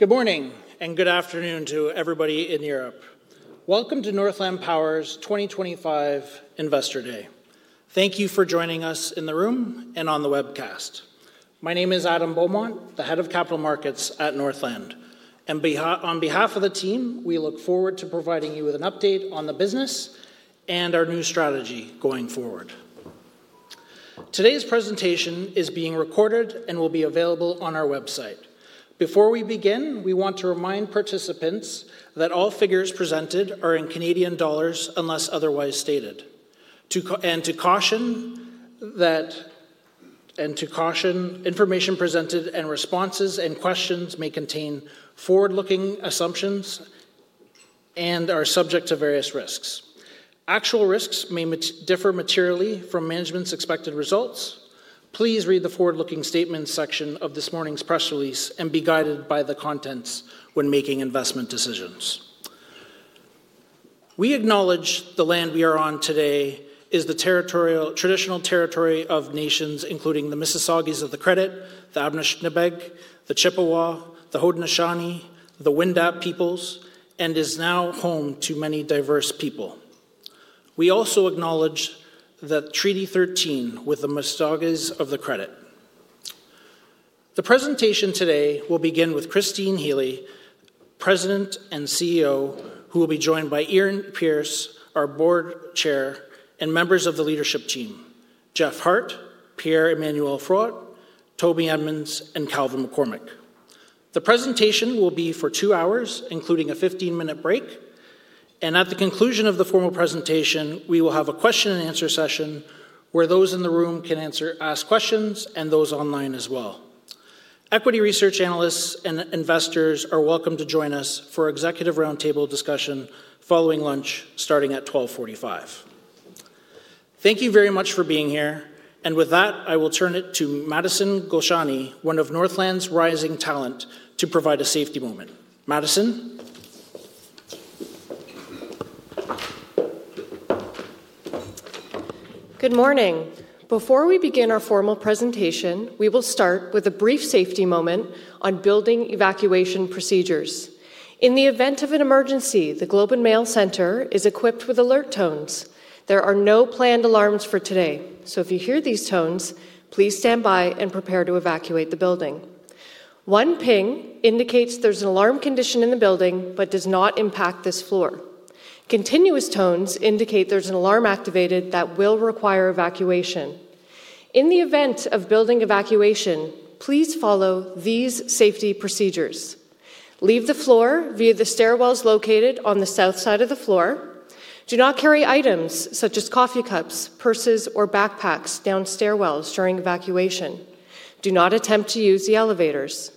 Good morning and good afternoon to everybody in Europe. Welcome to Northland Power's 2025 Investor Day. Thank you for joining us in the room and on the webcast. My name is Adam Beaumont, the Head of Capital Markets at Northland. On behalf of the team, we look forward to providing you with an update on the business and our new strategy going forward. Today's presentation is being recorded and will be available on our website. Before we begin, we want to remind participants that all figures presented are in CAD unless otherwise stated. To caution that information presented and responses and questions may contain forward-looking assumptions and are subject to various risks. Actual risks may differ materially from management's expected results. Please read the forward-looking statements section of this morning's press release and be guided by the contents when making investment decisions. We acknowledge the land we are on today is the traditional territory of nations including the Mississaugas of the Credit, the Anishinabeg, the Chippewa, the Haudenosaunee, the Wendat Peoples, and is now home to many diverse people. We also acknowledge the Treaty 13 with the Mississaugas of the Credit. The presentation today will begin with Christine Healy, President and CEO, who will be joined by Ian Pearce, our Board Chair, and members of the leadership team: Jeff Hart, Pierre-Emmanuel Frot, Toby Edmonds, and Calvin McCormick. The presentation will be for two hours, including a 15-minute break. At the conclusion of the formal presentation, we will have a question-and-answer session where those in the room can ask questions and those online as well. Equity research analysts and investors are welcome to join us for an executive roundtable discussion following lunch starting at 12:45 P.M. Thank you very much for being here. With that, I will turn it to Madison Goshani, one of Northland's rising talent, to provide a safety moment. Madison. Good morning. Before we begin our formal presentation, we will start with a brief safety moment on building evacuation procedures. In the event of an emergency, the Globe and Mail Centre is equipped with alert tones. There are no planned alarms for today. If you hear these tones, please stand by and prepare to evacuate the building. One ping indicates there is an alarm condition in the building but does not impact this floor. Continuous tones indicate there is an alarm activated that will require evacuation. In the event of building evacuation, please follow these safety procedures. Leave the floor via the stairwells located on the south side of the floor. Do not carry items such as coffee cups, purses, or backpacks down stairwells during evacuation. Do not attempt to use the elevators.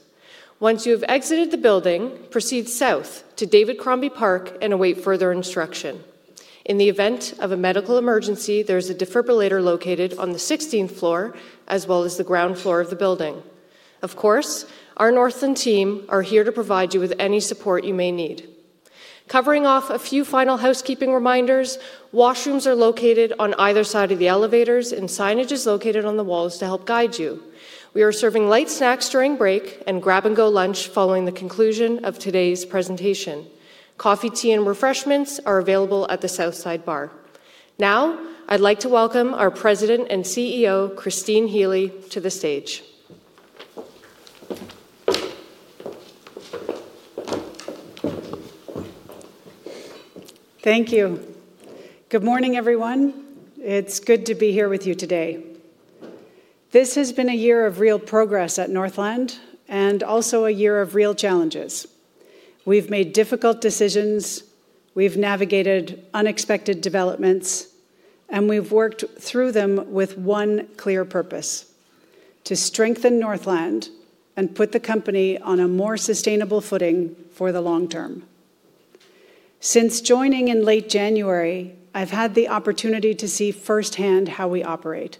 Once you have exited the building, proceed south to David Crombie Park and await further instruction. In the event of a medical emergency, there is a defibrillator located on the 16th floor as well as the ground floor of the building. Of course, our Northland team is here to provide you with any support you may need. Covering off a few final housekeeping reminders, washrooms are located on either side of the elevators and signage is located on the walls to help guide you. We are serving light snacks during break and grab-and-go lunch following the conclusion of today's presentation. Coffee, tea, and refreshments are available at the south side bar. Now, I'd like to welcome our President and CEO, Christine Healy, to the stage. Thank you. Good morning, everyone. It is good to be here with you today. This has been a year of real progress at Northland and also a year of real challenges. We have made difficult decisions, we have navigated unexpected developments, and we have worked through them with one clear purpose: to strengthen Northland and put the company on a more sustainable footing for the long term. Since joining in late January, I have had the opportunity to see firsthand how we operate,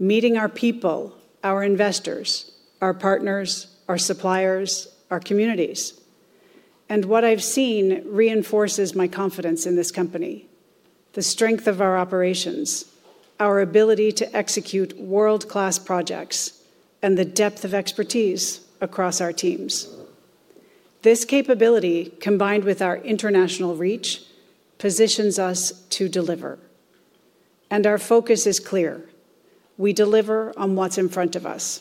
meeting our people, our investors, our partners, our suppliers, our communities. What I have seen reinforces my confidence in this company: the strength of our operations, our ability to execute world-class projects, and the depth of expertise across our teams. This capability, combined with our international reach, positions us to deliver. Our focus is clear. We deliver on what is in front of us.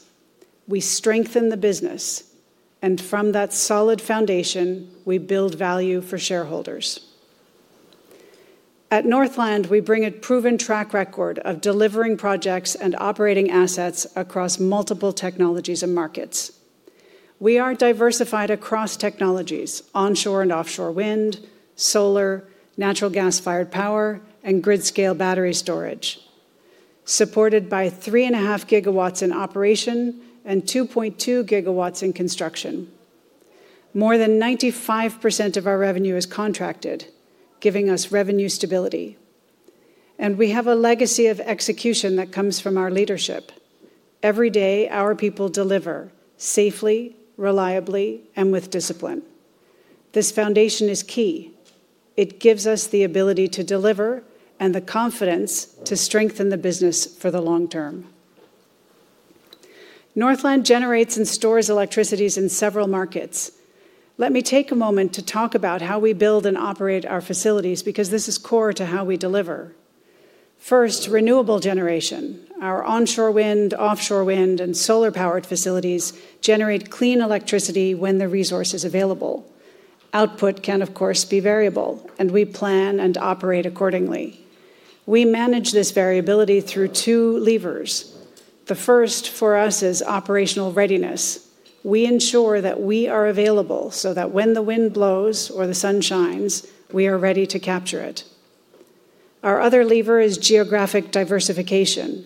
We strengthen the business, and from that solid foundation, we build value for shareholders. At Northland, we bring a proven track record of delivering projects and operating assets across multiple technologies and markets. We are diversified across technologies: onshore and offshore wind, solar, natural gas-fired power, and grid-scale battery storage, supported by 3.5 gigawatts in operation and 2.2 gigawatts in construction. More than 95% of our revenue is contracted, giving us revenue stability. We have a legacy of execution that comes from our leadership. Every day, our people deliver safely, reliably, and with discipline. This foundation is key. It gives us the ability to deliver and the confidence to strengthen the business for the long term. Northland generates and stores electricity in several markets. Let me take a moment to talk about how we build and operate our facilities because this is core to how we deliver. First, renewable generation. Our onshore wind, offshore wind, and solar-powered facilities generate clean electricity when the resource is available. Output can, of course, be variable, and we plan and operate accordingly. We manage this variability through two levers. The first for us is operational readiness. We ensure that we are available so that when the wind blows or the sun shines, we are ready to capture it. Our other lever is geographic diversification.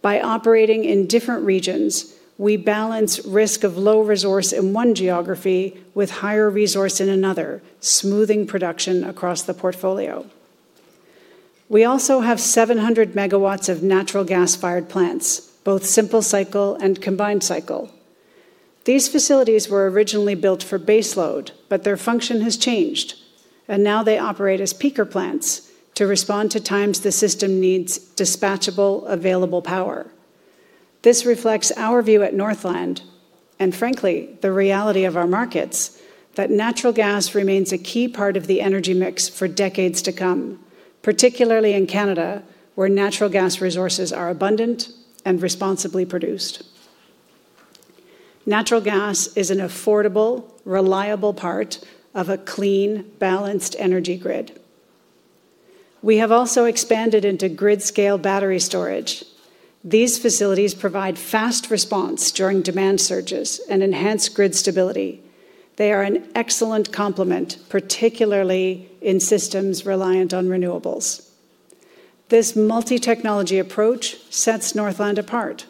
By operating in different regions, we balance risk of low resource in one geography with higher resource in another, smoothing production across the portfolio. We also have 700 megawatts of natural gas-fired plants, both simple cycle and combined cycle. These facilities were originally built for baseload, but their function has changed, and now they operate as peaker plants to respond to times the system needs dispatchable, available power. This reflects our view at Northland and, frankly, the reality of our markets, that natural gas remains a key part of the energy mix for decades to come, particularly in Canada, where natural gas resources are abundant and responsibly produced. Natural gas is an affordable, reliable part of a clean, balanced energy grid. We have also expanded into grid-scale battery storage. These facilities provide fast response during demand surges and enhance grid stability. They are an excellent complement, particularly in systems reliant on renewables. This multi-technology approach sets Northland apart.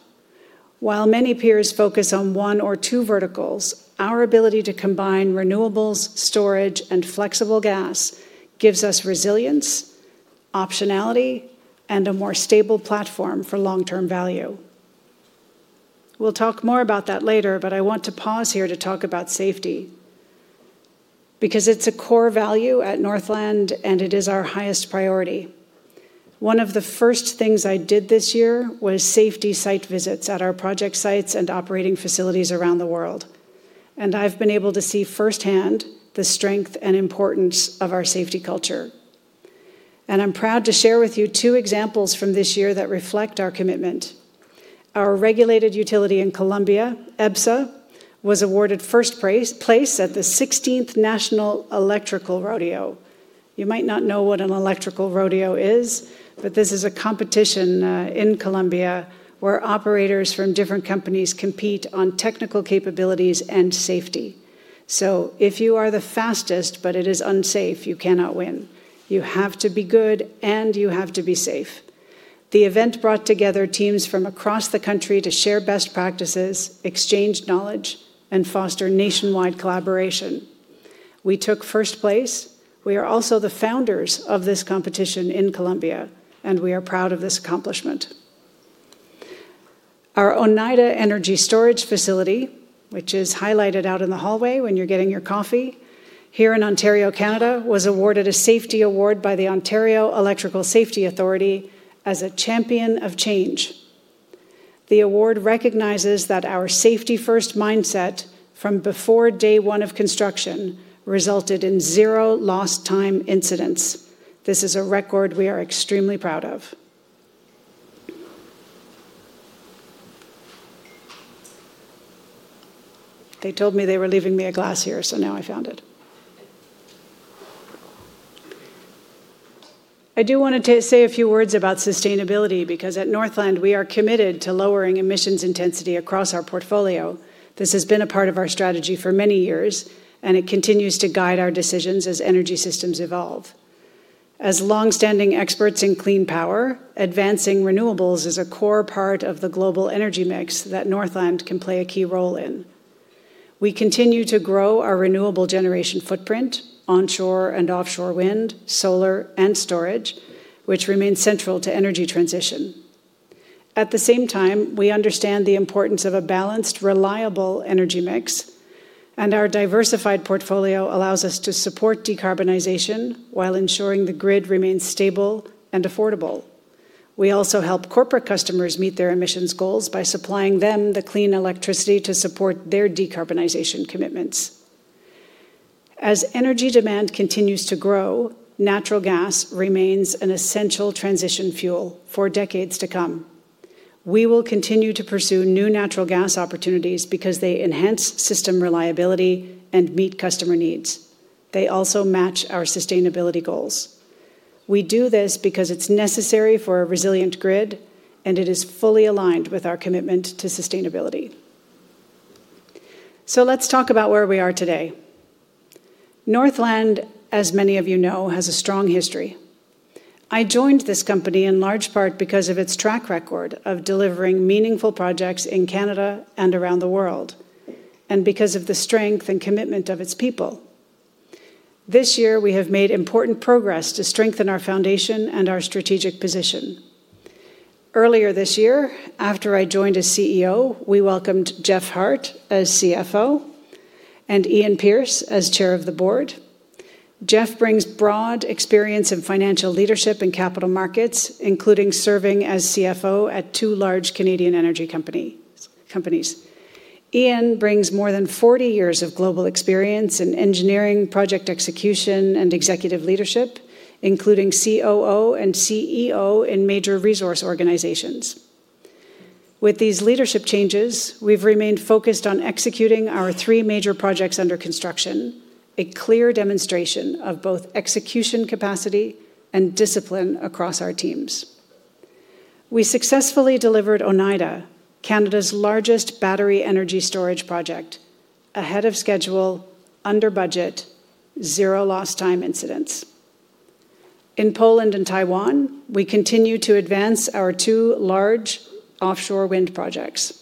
While many peers focus on one or two verticals, our ability to combine renewables, storage, and flexible gas gives us resilience, optionality, and a more stable platform for long-term value. We'll talk more about that later, but I want to pause here to talk about safety because it's a core value at Northland and it is our highest priority. One of the first things I did this year was safety site visits at our project sites and operating facilities around the world. I have been able to see firsthand the strength and importance of our safety culture. I am proud to share with you two examples from this year that reflect our commitment. Our regulated utility in Colombia, EBSA, was awarded first place at the 16th National Electrical Rodeo. You might not know what an electrical rodeo is, but this is a competition in Colombia where operators from different companies compete on technical capabilities and safety. If you are the fastest, but it is unsafe, you cannot win. You have to be good and you have to be safe. The event brought together teams from across the country to share best practices, exchange knowledge, and foster nationwide collaboration. We took first place. We are also the founders of this competition in Colombia, and we are proud of this accomplishment. Our Oneida Energy Storage Facility, which is highlighted out in the hallway when you're getting your coffee here in Ontario, Canada, was awarded a safety award by the Ontario Electrical Safety Authority as a champion of change. The award recognizes that our safety-first mindset from before day one of construction resulted in zero lost-time incidents. This is a record we are extremely proud of. They told me they were leaving me a glass here, so now I found it. I do want to say a few words about sustainability because at Northland, we are committed to lowering emissions intensity across our portfolio. This has been a part of our strategy for many years, and it continues to guide our decisions as energy systems evolve. As long-standing experts in clean power, advancing renewables is a core part of the global energy mix that Northland can play a key role in. We continue to grow our renewable generation footprint, onshore and offshore wind, solar, and storage, which remain central to energy transition. At the same time, we understand the importance of a balanced, reliable energy mix, and our diversified portfolio allows us to support decarbonization while ensuring the grid remains stable and affordable. We also help corporate customers meet their emissions goals by supplying them the clean electricity to support their decarbonization commitments. As energy demand continues to grow, natural gas remains an essential transition fuel for decades to come. We will continue to pursue new natural gas opportunities because they enhance system reliability and meet customer needs. They also match our sustainability goals. We do this because it's necessary for a resilient grid, and it is fully aligned with our commitment to sustainability. Let's talk about where we are today. Northland, as many of you know, has a strong history. I joined this company in large part because of its track record of delivering meaningful projects in Canada and around the world, and because of the strength and commitment of its people. This year, we have made important progress to strengthen our foundation and our strategic position. Earlier this year, after I joined as CEO, we welcomed Jeff Hart as CFO and Ian Pierce as Chair of the Board. Jeff brings broad experience in financial leadership and capital markets, including serving as CFO at two large Canadian energy companies. Ian brings more than 40 years of global experience in engineering, project execution, and executive leadership, including COO and CEO in major resource organizations. With these leadership changes, we've remained focused on executing our three major projects under construction, a clear demonstration of both execution capacity and discipline across our teams. We successfully delivered Oneida, Canada's largest battery energy storage project, ahead of schedule, under budget, zero lost-time incidents. In Poland and Taiwan, we continue to advance our two large offshore wind projects.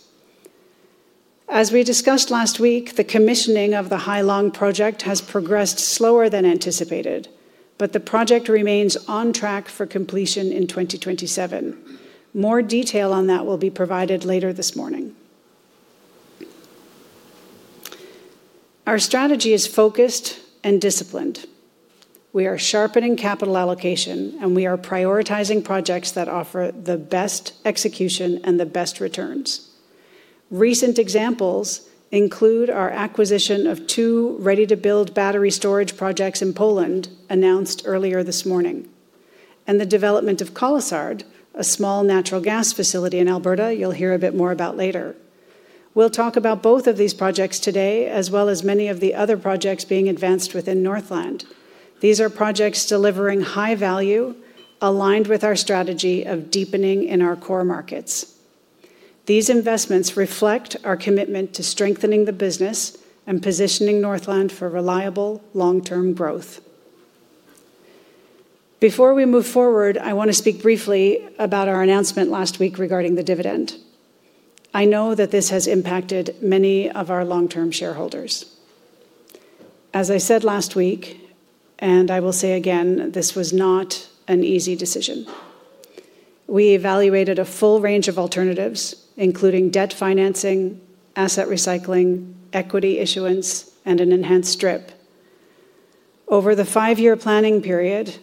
As we discussed last week, the commissioning of the Hailong project has progressed slower than anticipated, but the project remains on track for completion in 2027. More detail on that will be provided later this morning. Our strategy is focused and disciplined. We are sharpening capital allocation, and we are prioritizing projects that offer the best execution and the best returns. Recent examples include our acquisition of two ready-to-build battery storage projects in Poland announced earlier this morning, and the development of Colosard, a small natural gas facility in Alberta you'll hear a bit more about later. We'll talk about both of these projects today, as well as many of the other projects being advanced within Northland. These are projects delivering high value, aligned with our strategy of deepening in our core markets. These investments reflect our commitment to strengthening the business and positioning Northland for reliable long-term growth. Before we move forward, I want to speak briefly about our announcement last week regarding the dividend. I know that this has impacted many of our long-term shareholders. As I said last week, and I will say again, this was not an easy decision. We evaluated a full range of alternatives, including debt financing, asset recycling, equity issuance, and an enhanced strip. Over the five-year planning period,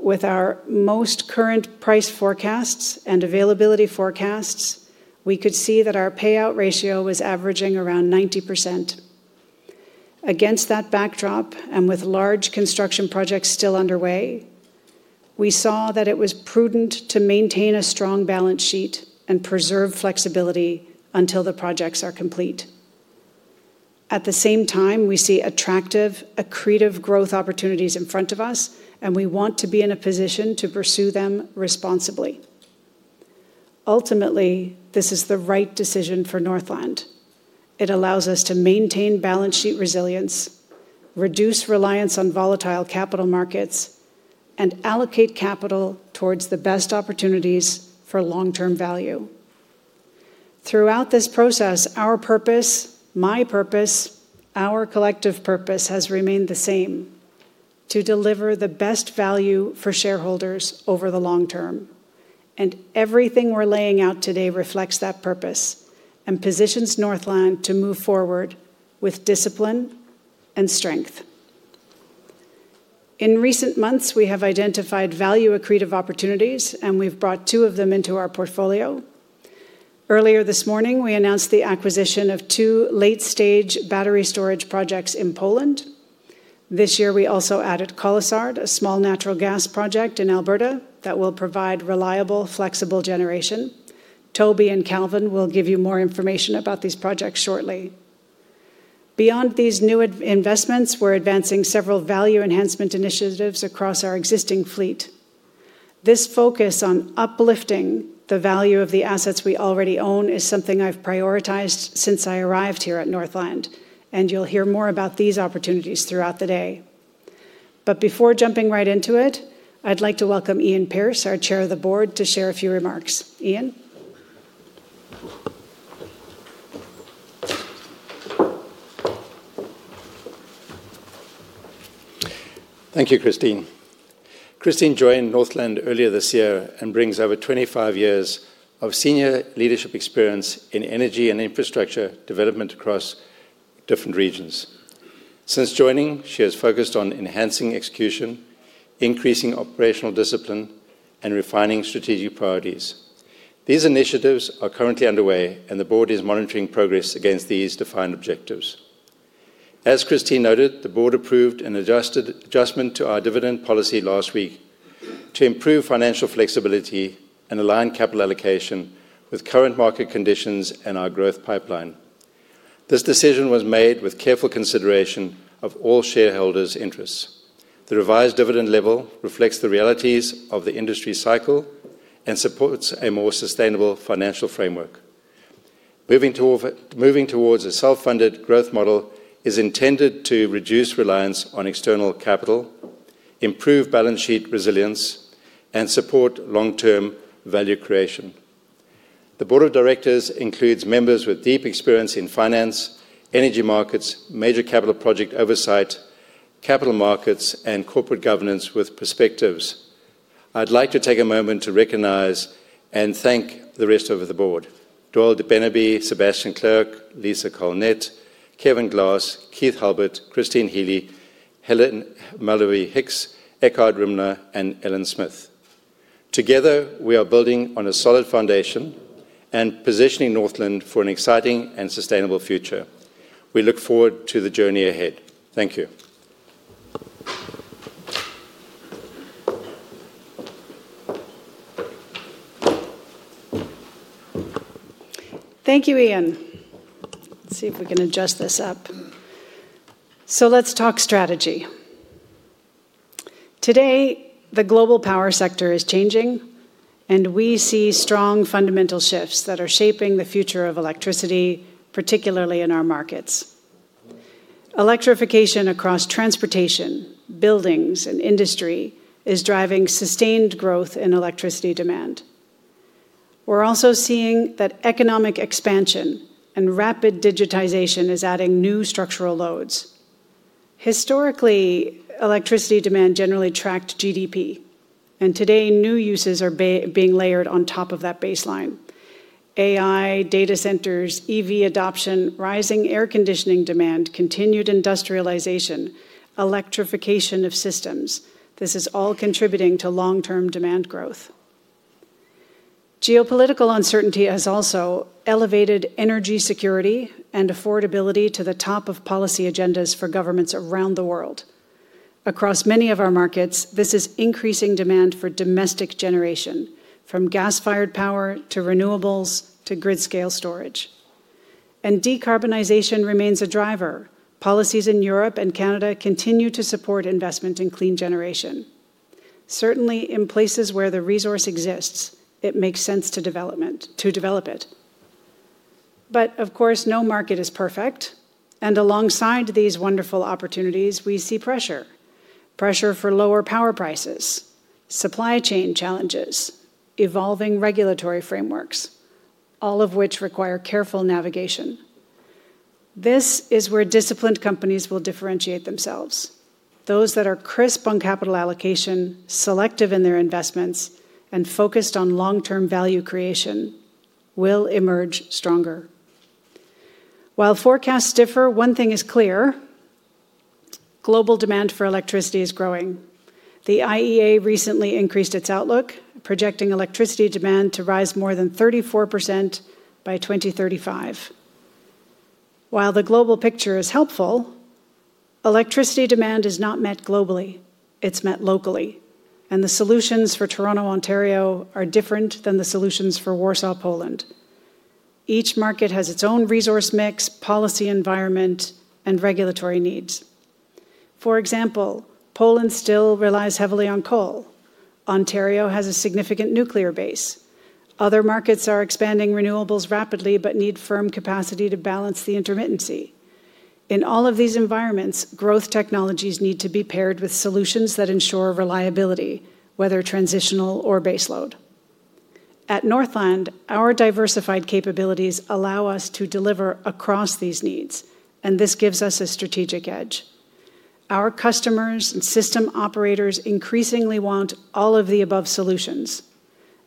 with our most current price forecasts and availability forecasts, we could see that our payout ratio was averaging around 90%. Against that backdrop and with large construction projects still underway, we saw that it was prudent to maintain a strong balance sheet and preserve flexibility until the projects are complete. At the same time, we see attractive, accretive growth opportunities in front of us, and we want to be in a position to pursue them responsibly. Ultimately, this is the right decision for Northland Power. It allows us to maintain balance sheet resilience, reduce reliance on volatile capital markets, and allocate capital towards the best opportunities for long-term value. Throughout this process, our purpose, my purpose, our collective purpose has remained the same: to deliver the best value for shareholders over the long term. Everything we're laying out today reflects that purpose and positions Northland to move forward with discipline and strength. In recent months, we have identified value-accretive opportunities, and we've brought two of them into our portfolio. Earlier this morning, we announced the acquisition of two late-stage battery storage projects in Poland. This year, we also added Colosard, a small natural gas project in Alberta that will provide reliable, flexible generation. Toby and Calvin will give you more information about these projects shortly. Beyond these new investments, we're advancing several value enhancement initiatives across our existing fleet. This focus on uplifting the value of the assets we already own is something I've prioritized since I arrived here at Northland, and you'll hear more about these opportunities throughout the day. Before jumping right into it, I'd like to welcome Ian Pierce, our Chair of the Board, to share a few remarks. Thank you, Christine. Christine joined Northland earlier this year and brings over 25 years of senior leadership experience in energy and infrastructure development across different regions. Since joining, she has focused on enhancing execution, increasing operational discipline, and refining strategic priorities. These initiatives are currently underway, and the Board is monitoring progress against these defined objectives. As Christine noted, the Board approved an adjustment to our dividend policy last week to improve financial flexibility and align capital allocation with current market conditions and our growth pipeline. This decision was made with careful consideration of all shareholders' interests. The revised dividend level reflects the realities of the industry cycle and supports a more sustainable financial framework. Moving towards a self-funded growth model is intended to reduce reliance on external capital, improve balance sheet resilience, and support long-term value creation. The Board of Directors includes members with deep experience in finance, energy markets, major capital project oversight, capital markets, and corporate governance with perspectives. I'd like to take a moment to recognize and thank the rest of the Board: Doyle Beneby, Sébastian Clerc, Lisa Colnett, Kevin Glass, Keith Halbert, Christine Healy, Helen Mallovy Hicks, Eckhardt Ruemmler, and Ellen Smith. Together, we are building on a solid foundation and positioning Northland for an exciting and sustainable future. We look forward to the journey ahead. Thank you. Thank you, Ian. Let's see if we can adjust this up. Let's talk strategy. Today, the global power sector is changing, and we see strong fundamental shifts that are shaping the future of electricity, particularly in our markets. Electrification across transportation, buildings, and industry is driving sustained growth in electricity demand. We're also seeing that economic expansion and rapid digitization is adding new structural loads. Historically, electricity demand generally tracked GDP, and today, new uses are being layered on top of that baseline. AI, data centers, EV adoption, rising air conditioning demand, continued industrialization, electrification of systems—this is all contributing to long-term demand growth. Geopolitical uncertainty has also elevated energy security and affordability to the top of policy agendas for governments around the world. Across many of our markets, this is increasing demand for domestic generation, from gas-fired power to renewables to grid-scale storage. Decarbonization remains a driver. Policies in Europe and Canada continue to support investment in clean generation. Certainly, in places where the resource exists, it makes sense to develop it. Of course, no market is perfect. Alongside these wonderful opportunities, we see pressure—pressure for lower power prices, supply chain challenges, evolving regulatory frameworks, all of which require careful navigation. This is where disciplined companies will differentiate themselves. Those that are crisp on capital allocation, selective in their investments, and focused on long-term value creation will emerge stronger. While forecasts differ, one thing is clear: global demand for electricity is growing. The IEA recently increased its outlook, projecting electricity demand to rise more than 34% by 2035. While the global picture is helpful, electricity demand is not met globally; it is met locally. The solutions for Toronto, Ontario, are different than the solutions for Warsaw, Poland. Each market has its own resource mix, policy environment, and regulatory needs. For example, Poland still relies heavily on coal. Ontario has a significant nuclear base. Other markets are expanding renewables rapidly but need firm capacity to balance the intermittency. In all of these environments, growth technologies need to be paired with solutions that ensure reliability, whether transitional or baseload. At Northland, our diversified capabilities allow us to deliver across these needs, and this gives us a strategic edge. Our customers and system operators increasingly want all of the above solutions,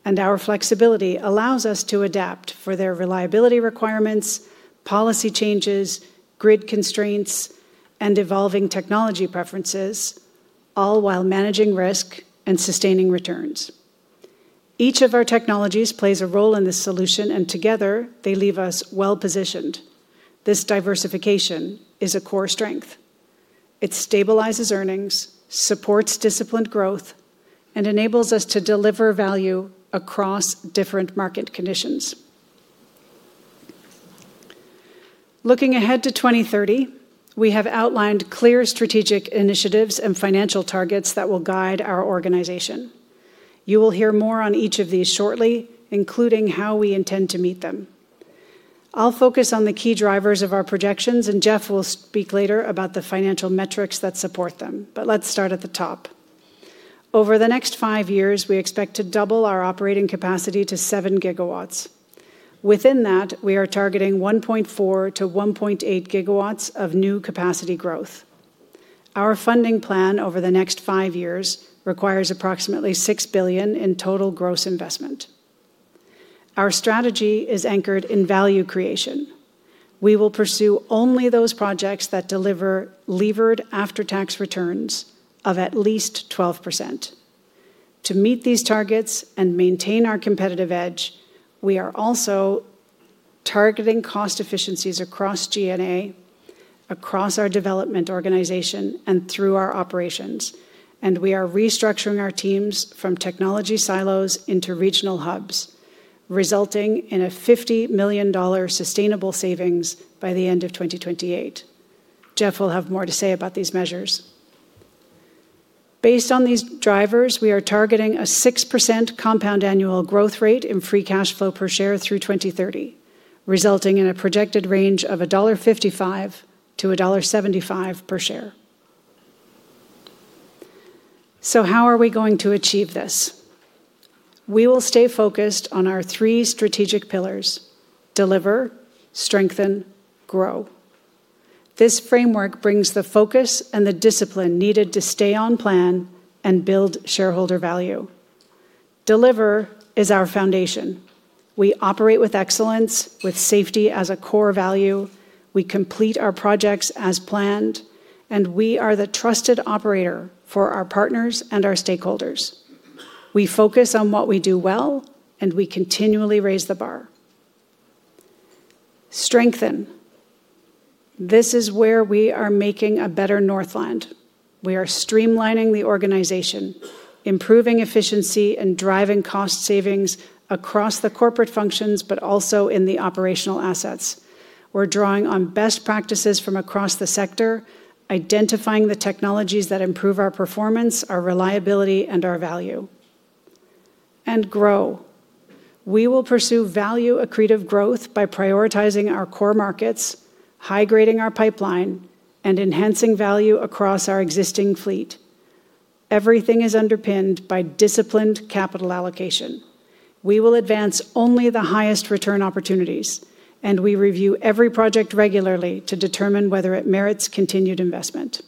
and our flexibility allows us to adapt for their reliability requirements, policy changes, grid constraints, and evolving technology preferences, all while managing risk and sustaining returns. Each of our technologies plays a role in this solution, and together, they leave us well-positioned. This diversification is a core strength. It stabilizes earnings, supports disciplined growth, and enables us to deliver value across different market conditions. Looking ahead to 2030, we have outlined clear strategic initiatives and financial targets that will guide our organization. You will hear more on each of these shortly, including how we intend to meet them. I'll focus on the key drivers of our projections, and Jeff will speak later about the financial metrics that support them. Let's start at the top. Over the next five years, we expect to double our operating capacity to 7 gigawatts. Within that, we are targeting 1.4-1.8 gigawatts of new capacity growth. Our funding plan over the next five years requires approximately 6 billion in total gross investment. Our strategy is anchored in value creation. We will pursue only those projects that deliver levered after-tax returns of at least 12%. To meet these targets and maintain our competitive edge, we are also targeting cost efficiencies across G&A, across our development organization, and through our operations. We are restructuring our teams from technology silos into regional hubs, resulting in a 50 million dollar sustainable savings by the end of 2028. Jeff will have more to say about these measures. Based on these drivers, we are targeting a 6% compound annual growth rate in free cash flow per share through 2030, resulting in a projected range of $1.55-$1.75 per share. How are we going to achieve this? We will stay focused on our three strategic pillars: deliver, strengthen, grow. This framework brings the focus and the discipline needed to stay on plan and build shareholder value. Deliver is our foundation. We operate with excellence, with safety as a core value. We complete our projects as planned, and we are the trusted operator for our partners and our stakeholders. We focus on what we do well, and we continually raise the bar. Strengthen. This is where we are making a better Northland. We are streamlining the organization, improving efficiency, and driving cost savings across the corporate functions, but also in the operational assets. We're drawing on best practices from across the sector, identifying the technologies that improve our performance, our reliability, and our value. Grow. We will pursue value-accretive growth by prioritizing our core markets, high-grading our pipeline, and enhancing value across our existing fleet. Everything is underpinned by disciplined capital allocation. We will advance only the highest return opportunities, and we review every project regularly to determine whether it merits continued investment.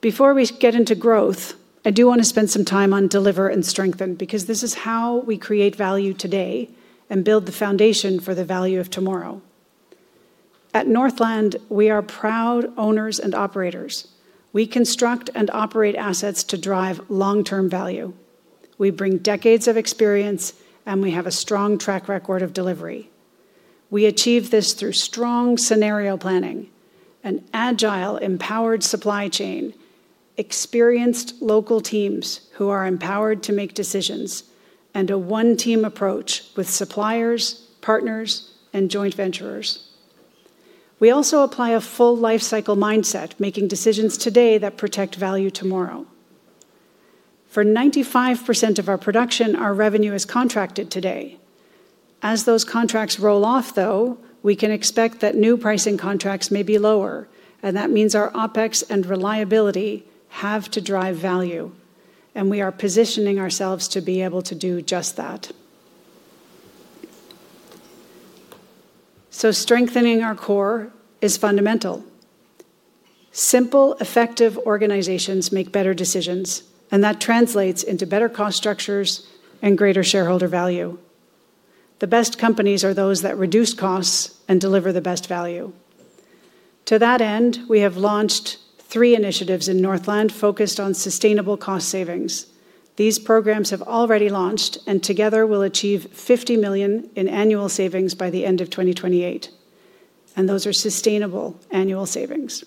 Before we get into growth, I do want to spend some time on deliver and strengthen, because this is how we create value today and build the foundation for the value of tomorrow. At Northland, we are proud owners and operators. We construct and operate assets to drive long-term value. We bring decades of experience, and we have a strong track record of delivery. We achieve this through strong scenario planning, an agile, empowered supply chain, experienced local teams who are empowered to make decisions, and a one-team approach with suppliers, partners, and joint venturers. We also apply a full lifecycle mindset, making decisions today that protect value tomorrow. For 95% of our production, our revenue is contracted today. As those contracts roll off, though, we can expect that new pricing contracts may be lower, and that means our OpEx and reliability have to drive value. We are positioning ourselves to be able to do just that. Strengthening our core is fundamental. Simple, effective organizations make better decisions, and that translates into better cost structures and greater shareholder value. The best companies are those that reduce costs and deliver the best value. To that end, we have launched three initiatives in Northland focused on sustainable cost savings. These programs have already launched, and together we will achieve 50 million in annual savings by the end of 2028. Those are sustainable annual savings.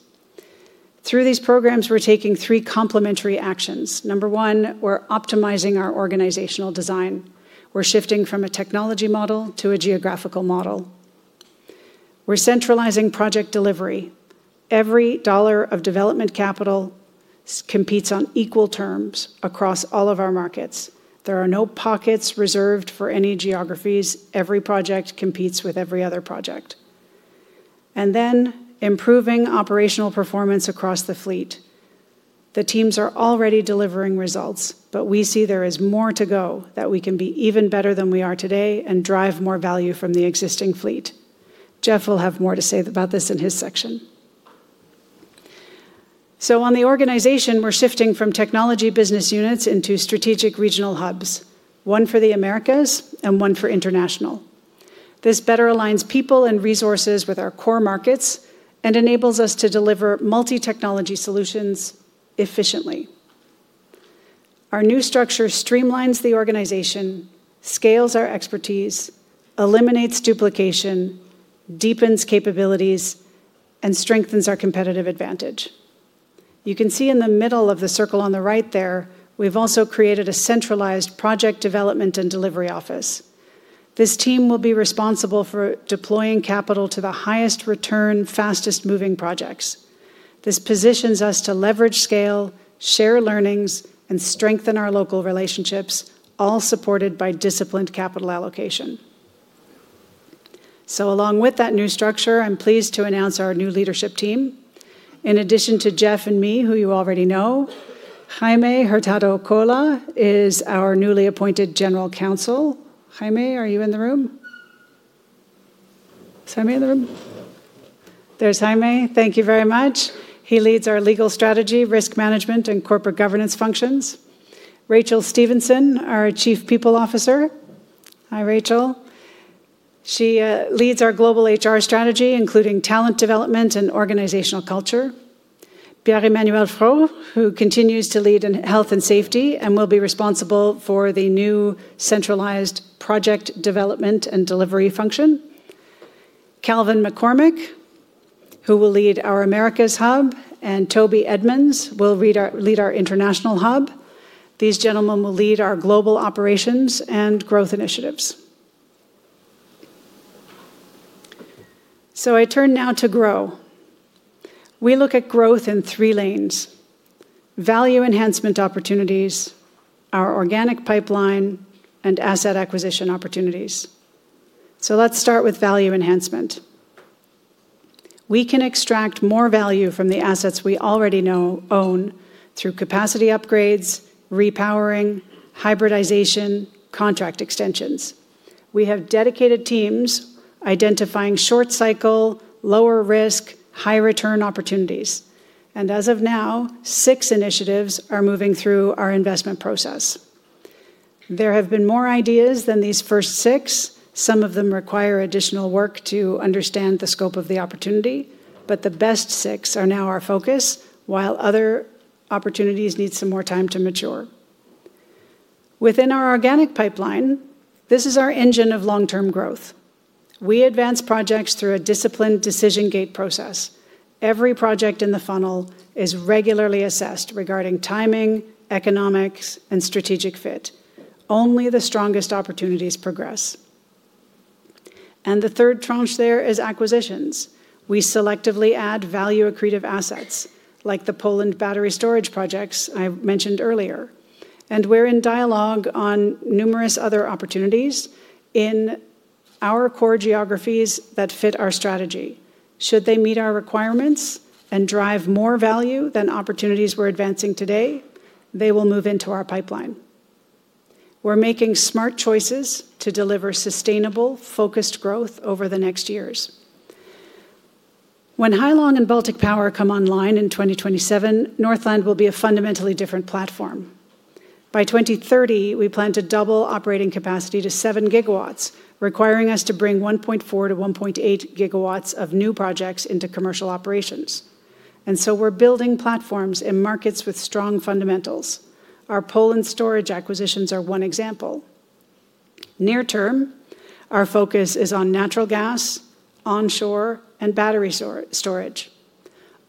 Through these programs, we are taking three complementary actions. Number one, we are optimizing our organizational design. We are shifting from a technology model to a geographical model. We are centralizing project delivery. Every dollar of development capital competes on equal terms across all of our markets. There are no pockets reserved for any geographies. Every project competes with every other project. We are improving operational performance across the fleet. The teams are already delivering results, but we see there is more to go, that we can be even better than we are today and drive more value from the existing fleet. Jeff will have more to say about this in his section. On the organization, we're shifting from technology business units into strategic regional hubs, one for the Americas and one for international. This better aligns people and resources with our core markets and enables us to deliver multi-technology solutions efficiently. Our new structure streamlines the organization, scales our expertise, eliminates duplication, deepens capabilities, and strengthens our competitive advantage. You can see in the middle of the circle on the right there, we've also created a centralized project development and delivery office. This team will be responsible for deploying capital to the highest return, fastest-moving projects. This positions us to leverage scale, share learnings, and strengthen our local relationships, all supported by disciplined capital allocation. Along with that new structure, I'm pleased to announce our new leadership team. In addition to Jeff and me, who you already know, Jaime Hurtado Cola is our newly appointed General Counsel. Jaime, are you in the room? Is Jaime in the room? There's Jaime. Thank you very much. He leads our legal strategy, risk management, and corporate governance functions. Rachel Stevenson, our Chief People Officer. Hi, Rachel. She leads our global HR strategy, including talent development and organizational culture. Pierre-Emmanuel Frot, who continues to lead in health and safety and will be responsible for the new centralized project development and delivery function. Calvin McCormick, who will lead our Americas hub, and Toby Edmonds will lead our international hub. These gentlemen will lead our global operations and growth initiatives. I turn now to grow. We look at growth in three lanes: value enhancement opportunities, our organic pipeline, and asset acquisition opportunities. Let's start with value enhancement. We can extract more value from the assets we already own through capacity upgrades, repowering, hybridization, contract extensions. We have dedicated teams identifying short-cycle, lower-risk, high-return opportunities. As of now, six initiatives are moving through our investment process. There have been more ideas than these first six. Some of them require additional work to understand the scope of the opportunity, but the best six are now our focus, while other opportunities need some more time to mature. Within our organic pipeline, this is our engine of long-term growth. We advance projects through a disciplined decision gate process. Every project in the funnel is regularly assessed regarding timing, economics, and strategic fit. Only the strongest opportunities progress. The third tranche there is acquisitions. We selectively add value-accretive assets, like the Poland battery storage projects I mentioned earlier. We are in dialogue on numerous other opportunities in our core geographies that fit our strategy. Should they meet our requirements and drive more value than opportunities we're advancing today, they will move into our pipeline. We're making smart choices to deliver sustainable, focused growth over the next years. When Hailong and Baltic Power come online in 2027, Northland will be a fundamentally different platform. By 2030, we plan to double operating capacity to 7 gigawatts, requiring us to bring 1.4-1.8 gigawatts of new projects into commercial operations. We are building platforms in markets with strong fundamentals. Our Poland storage acquisitions are one example. Near-term, our focus is on natural gas, onshore, and battery storage.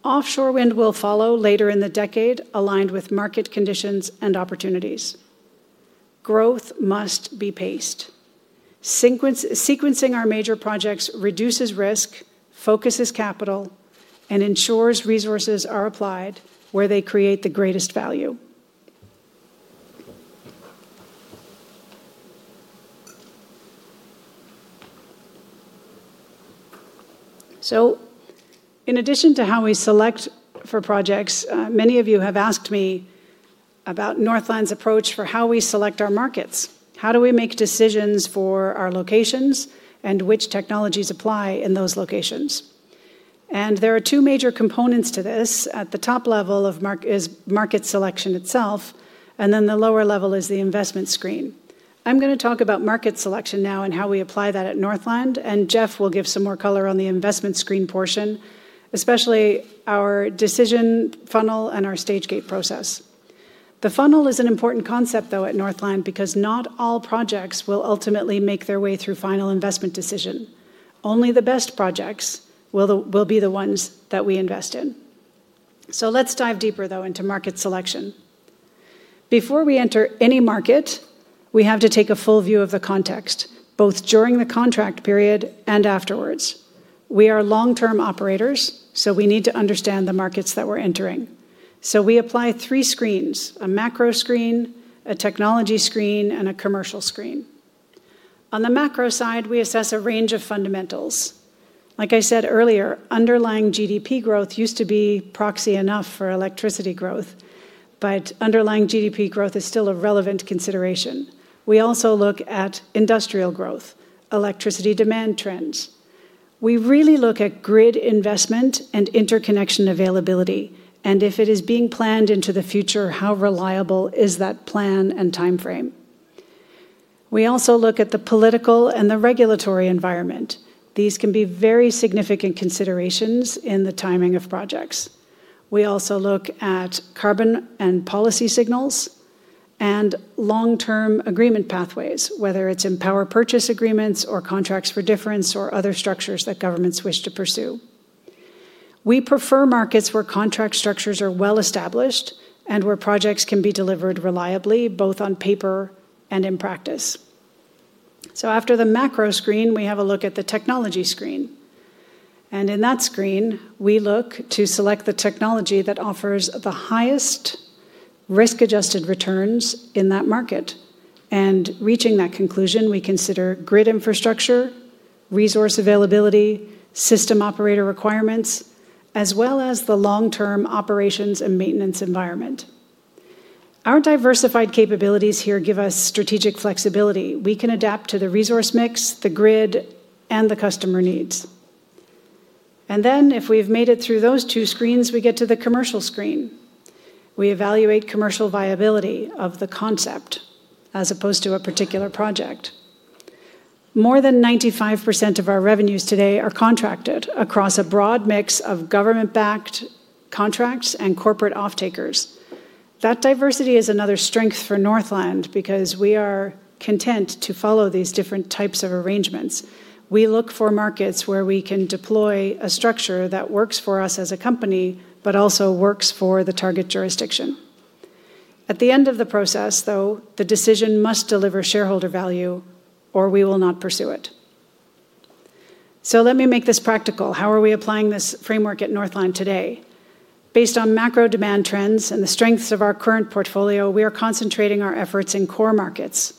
Offshore wind will follow later in the decade, aligned with market conditions and opportunities. Growth must be paced. Sequencing our major projects reduces risk, focuses capital, and ensures resources are applied where they create the greatest value. In addition to how we select for projects, many of you have asked me about Northland's approach for how we select our markets. How do we make decisions for our locations and which technologies apply in those locations? There are two major components to this. At the top level is market selection itself, and then the lower level is the investment screen. I'm going to talk about market selection now and how we apply that at Northland, and Jeff will give some more color on the investment screen portion, especially our decision funnel and our stage gate process. The funnel is an important concept, though, at Northland, because not all projects will ultimately make their way through final investment decision. Only the best projects will be the ones that we invest in. Let's dive deeper, though, into market selection. Before we enter any market, we have to take a full view of the context, both during the contract period and afterwards. We are long-term operators, so we need to understand the markets that we're entering. We apply three screens: a macro screen, a technology screen, and a commercial screen. On the macro side, we assess a range of fundamentals. Like I said earlier, underlying GDP growth used to be proxy enough for electricity growth, but underlying GDP growth is still a relevant consideration. We also look at industrial growth, electricity demand trends. We really look at grid investment and interconnection availability, and if it is being planned into the future, how reliable is that plan and timeframe? We also look at the political and the regulatory environment. These can be very significant considerations in the timing of projects. We also look at carbon and policy signals and long-term agreement pathways, whether it's in power purchase agreements or contracts for difference or other structures that governments wish to pursue. We prefer markets where contract structures are well established and where projects can be delivered reliably, both on paper and in practice. After the macro screen, we have a look at the technology screen. In that screen, we look to select the technology that offers the highest risk-adjusted returns in that market. In reaching that conclusion, we consider grid infrastructure, resource availability, system operator requirements, as well as the long-term operations and maintenance environment. Our diversified capabilities here give us strategic flexibility. We can adapt to the resource mix, the grid, and the customer needs. If we've made it through those two screens, we get to the commercial screen. We evaluate commercial viability of the concept as opposed to a particular project. More than 95% of our revenues today are contracted across a broad mix of government-backed contracts and corporate off-takers. That diversity is another strength for Northland because we are content to follow these different types of arrangements. We look for markets where we can deploy a structure that works for us as a company, but also works for the target jurisdiction. At the end of the process, though, the decision must deliver shareholder value or we will not pursue it. Let me make this practical. How are we applying this framework at Northland today? Based on macro demand trends and the strengths of our current portfolio, we are concentrating our efforts in core markets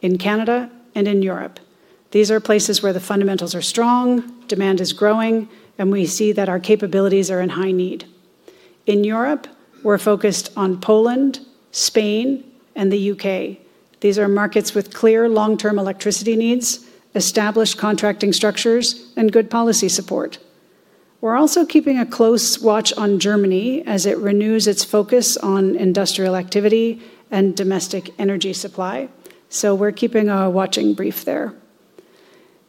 in Canada and in Europe. These are places where the fundamentals are strong, demand is growing, and we see that our capabilities are in high need. In Europe, we're focused on Poland, Spain, and the U.K. These are markets with clear long-term electricity needs, established contracting structures, and good policy support. We're also keeping a close watch on Germany as it renews its focus on industrial activity and domestic energy supply. We are keeping a watching brief there.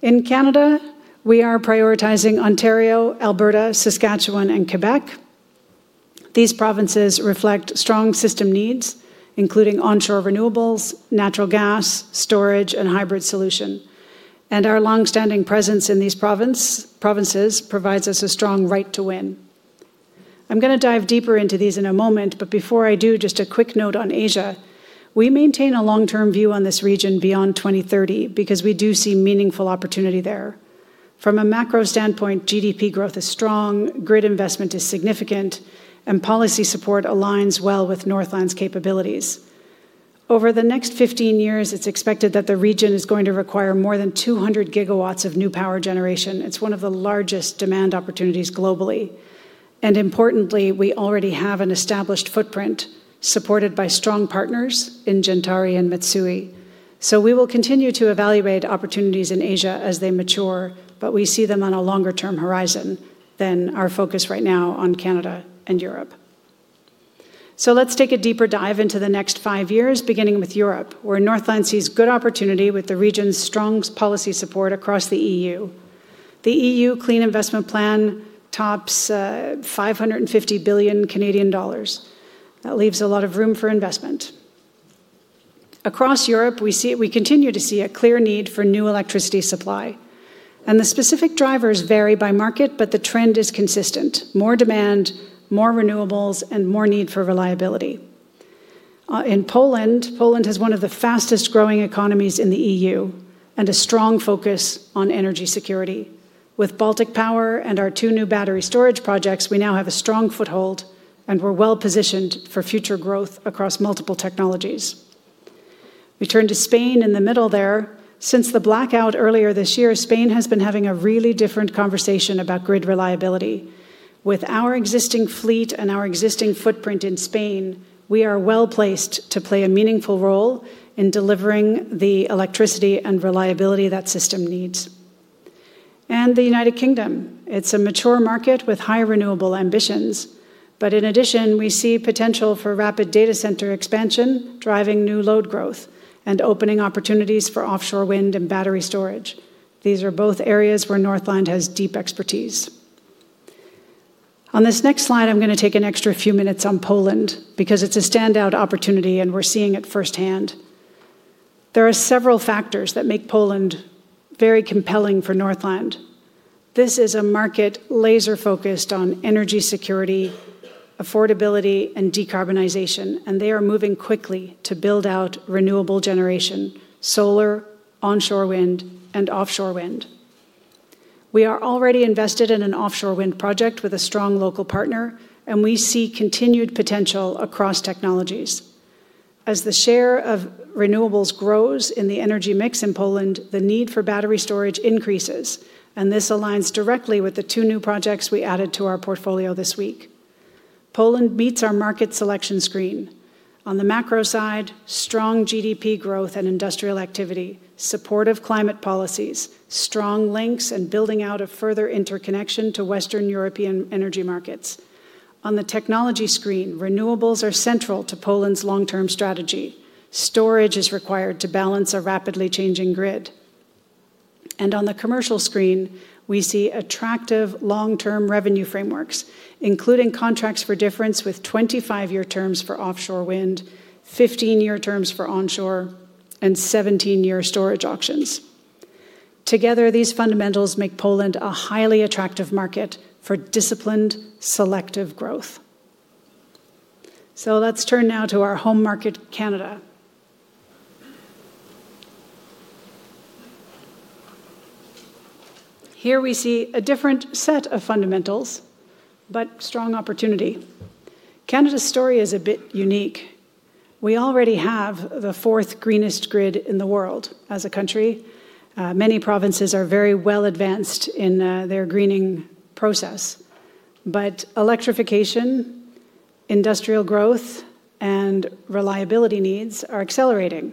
In Canada, we are prioritizing Ontario, Alberta, Saskatchewan, and Quebec. These provinces reflect strong system needs, including onshore renewables, natural gas, storage, and hybrid solution. Our long-standing presence in these provinces provides us a strong right to win. I'm going to dive deeper into these in a moment, but before I do, just a quick note on Asia. We maintain a long-term view on this region beyond 2030 because we do see meaningful opportunity there. From a macro standpoint, GDP growth is strong, grid investment is significant, and policy support aligns well with Northland's capabilities. Over the next 15 years, it is expected that the region is going to require more than 200 gigawatts of new power generation. It is one of the largest demand opportunities globally. Importantly, we already have an established footprint supported by strong partners in Gentari and Mitsui. We will continue to evaluate opportunities in Asia as they mature, but we see them on a longer-term horizon than our focus right now on Canada and Europe. Let's take a deeper dive into the next five years, beginning with Europe, where Northland sees good opportunity with the region's strong policy support across the EU. The EU Clean Investment Plan tops 550 billion Canadian dollars. That leaves a lot of room for investment. Across Europe, we continue to see a clear need for new electricity supply. The specific drivers vary by market, but the trend is consistent: more demand, more renewables, and more need for reliability. In Poland, Poland has one of the fastest-growing economies in the EU and a strong focus on energy security. With Baltic Power and our two new battery storage projects, we now have a strong foothold and we're well-positioned for future growth across multiple technologies. We turn to Spain in the middle there. Since the blackout earlier this year, Spain has been having a really different conversation about grid reliability. With our existing fleet and our existing footprint in Spain, we are well-placed to play a meaningful role in delivering the electricity and reliability that system needs. The United Kingdom. It's a mature market with high renewable ambitions, but in addition, we see potential for rapid data center expansion, driving new load growth and opening opportunities for offshore wind and battery storage. These are both areas where Northland has deep expertise. On this next slide, I'm going to take an extra few minutes on Poland because it's a standout opportunity and we're seeing it firsthand. There are several factors that make Poland very compelling for Northland. This is a market laser-focused on energy security, affordability, and decarbonization, and they are moving quickly to build out renewable generation, solar, onshore wind, and offshore wind. We are already invested in an offshore wind project with a strong local partner, and we see continued potential across technologies. As the share of renewables grows in the energy mix in Poland, the need for battery storage increases, and this aligns directly with the two new projects we added to our portfolio this week. Poland meets our market selection screen. On the macro side, strong GDP growth and industrial activity, supportive climate policies, strong links, and building out a further interconnection to Western European energy markets. On the technology screen, renewables are central to Poland's long-term strategy. Storage is required to balance a rapidly changing grid. On the commercial screen, we see attractive long-term revenue frameworks, including contracts for difference with 25-year terms for offshore wind, 15-year terms for onshore, and 17-year storage auctions. Together, these fundamentals make Poland a highly attractive market for disciplined, selective growth. Let's turn now to our home market, Canada. Here we see a different set of fundamentals, but strong opportunity. Canada's story is a bit unique. We already have the fourth greenest grid in the world as a country. Many provinces are very well-advanced in their greening process, but electrification, industrial growth, and reliability needs are accelerating.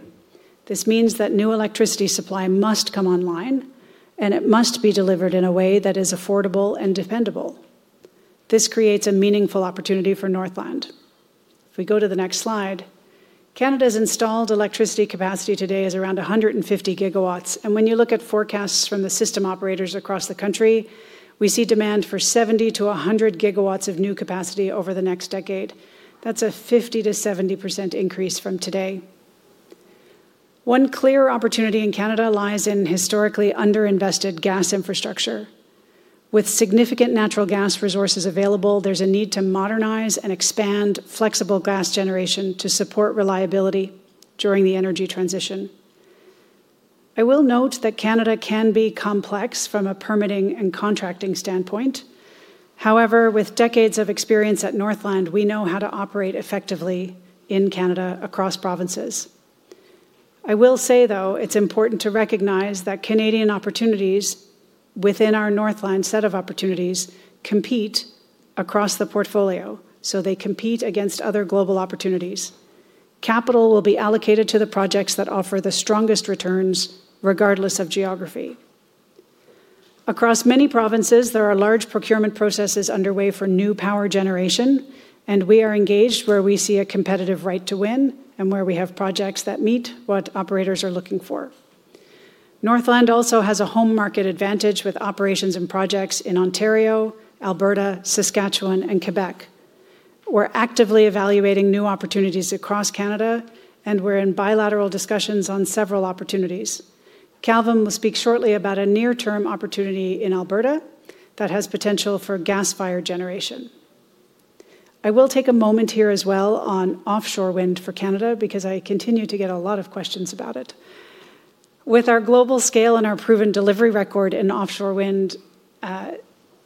This means that new electricity supply must come online, and it must be delivered in a way that is affordable and dependable. This creates a meaningful opportunity for Northland. If we go to the next slide, Canada's installed electricity capacity today is around 150 gigawatts, and when you look at forecasts from the system operators across the country, we see demand for 70-100 gigawatts of new capacity over the next decade. That's a 50-70% increase from today. One clear opportunity in Canada lies in historically underinvested gas infrastructure. With significant natural gas resources available, there's a need to modernize and expand flexible gas generation to support reliability during the energy transition. I will note that Canada can be complex from a permitting and contracting standpoint. However, with decades of experience at Northland, we know how to operate effectively in Canada across provinces. I will say, though, it's important to recognize that Canadian opportunities within our Northland set of opportunities compete across the portfolio, so they compete against other global opportunities. Capital will be allocated to the projects that offer the strongest returns regardless of geography. Across many provinces, there are large procurement processes underway for new power generation, and we are engaged where we see a competitive right to win and where we have projects that meet what operators are looking for. Northland also has a home market advantage with operations and projects in Ontario, Alberta, Saskatchewan, and Quebec. We're actively evaluating new opportunities across Canada, and we're in bilateral discussions on several opportunities. Calvin will speak shortly about a near-term opportunity in Alberta that has potential for gas fire generation. I will take a moment here as well on offshore wind for Canada because I continue to get a lot of questions about it. With our global scale and our proven delivery record in offshore wind,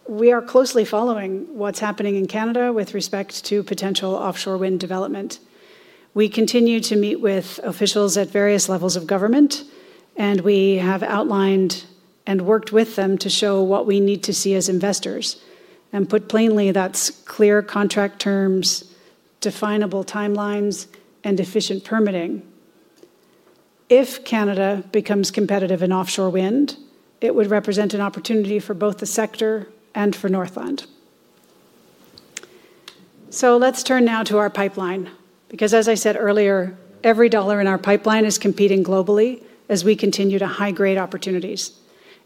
we are closely following what's happening in Canada with respect to potential offshore wind development. We continue to meet with officials at various levels of government, and we have outlined and worked with them to show what we need to see as investors. Put plainly, that's clear contract terms, definable timelines, and efficient permitting. If Canada becomes competitive in offshore wind, it would represent an opportunity for both the sector and for Northland. Let's turn now to our pipeline because, as I said earlier, every dollar in our pipeline is competing globally as we continue to high-grade opportunities.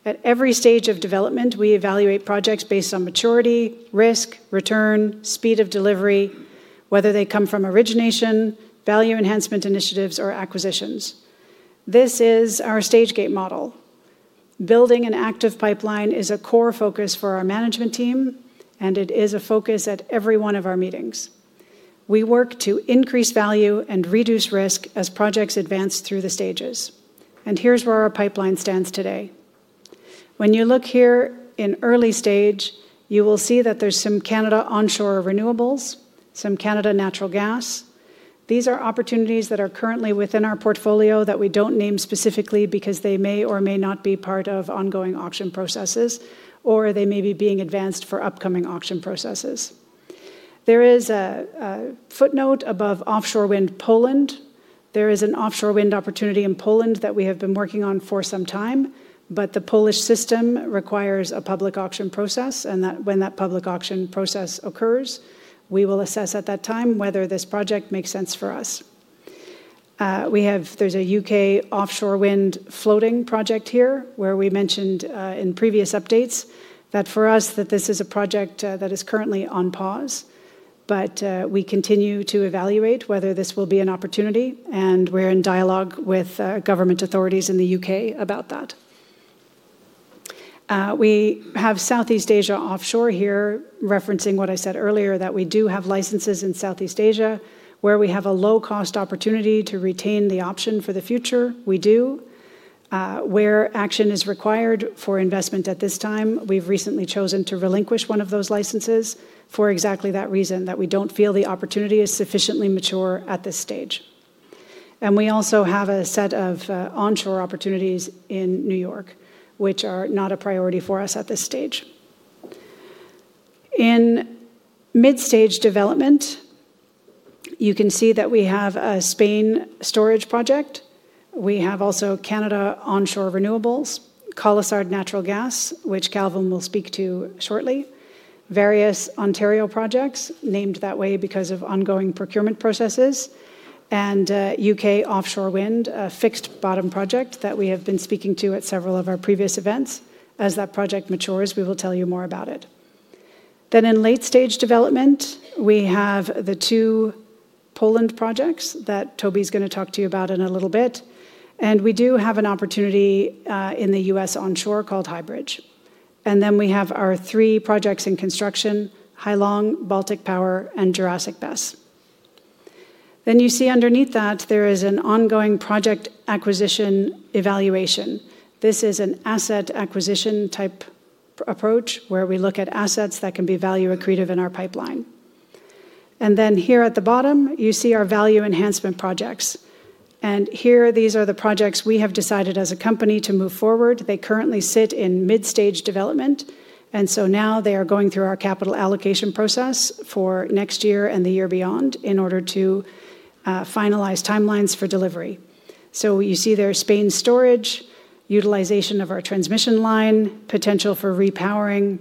At every stage of development, we evaluate projects based on maturity, risk, return, speed of delivery, whether they come from origination, value enhancement initiatives, or acquisitions. This is our stage gate model. Building an active pipeline is a core focus for our management team, and it is a focus at every one of our meetings. We work to increase value and reduce risk as projects advance through the stages. Here is where our pipeline stands today. When you look here in early stage, you will see that there's some Canada onshore renewables, some Canada natural gas. These are opportunities that are currently within our portfolio that we do not name specifically because they may or may not be part of ongoing auction processes, or they may be being advanced for upcoming auction processes. There is a footnote above offshore wind Poland. There is an offshore wind opportunity in Poland that we have been working on for some time, but the Polish system requires a public auction process, and when that public auction process occurs, we will assess at that time whether this project makes sense for us. There is a U.K. offshore wind floating project here where we mentioned in previous updates that for us, this is a project that is currently on pause, but we continue to evaluate whether this will be an opportunity, and we are in dialogue with government authorities in the U.K. about that. We have Southeast Asia offshore here, referencing what I said earlier, that we do have licenses in Southeast Asia where we have a low-cost opportunity to retain the option for the future. We do. Where action is required for investment at this time, we have recently chosen to relinquish one of those licenses for exactly that reason, that we do not feel the opportunity is sufficiently mature at this stage. We also have a set of onshore opportunities in New York, which are not a priority for us at this stage. In mid-stage development, you can see that we have a Spain storage project. We have also Canada onshore renewables, Colosard Natural Gas, which Calvin will speak to shortly, various Ontario projects named that way because of ongoing procurement processes, and U.K. offshore wind, a fixed bottom project that we have been speaking to at several of our previous events. As that project matures, we will tell you more about it. In late-stage development, we have the two Poland projects that Toby's going to talk to you about in a little bit. We do have an opportunity in the US onshore called Highbridge. We have our three projects in construction, Hailong, Baltic Power, and Jurassic BESS. You see underneath that there is an ongoing project acquisition evaluation. This is an asset acquisition type approach where we look at assets that can be value accretive in our pipeline. Here at the bottom, you see our value enhancement projects. These are the projects we have decided as a company to move forward. They currently sit in mid-stage development, and now they are going through our capital allocation process for next year and the year beyond in order to finalize timelines for delivery. You see there is Spain storage, utilization of our transmission line, potential for repowering.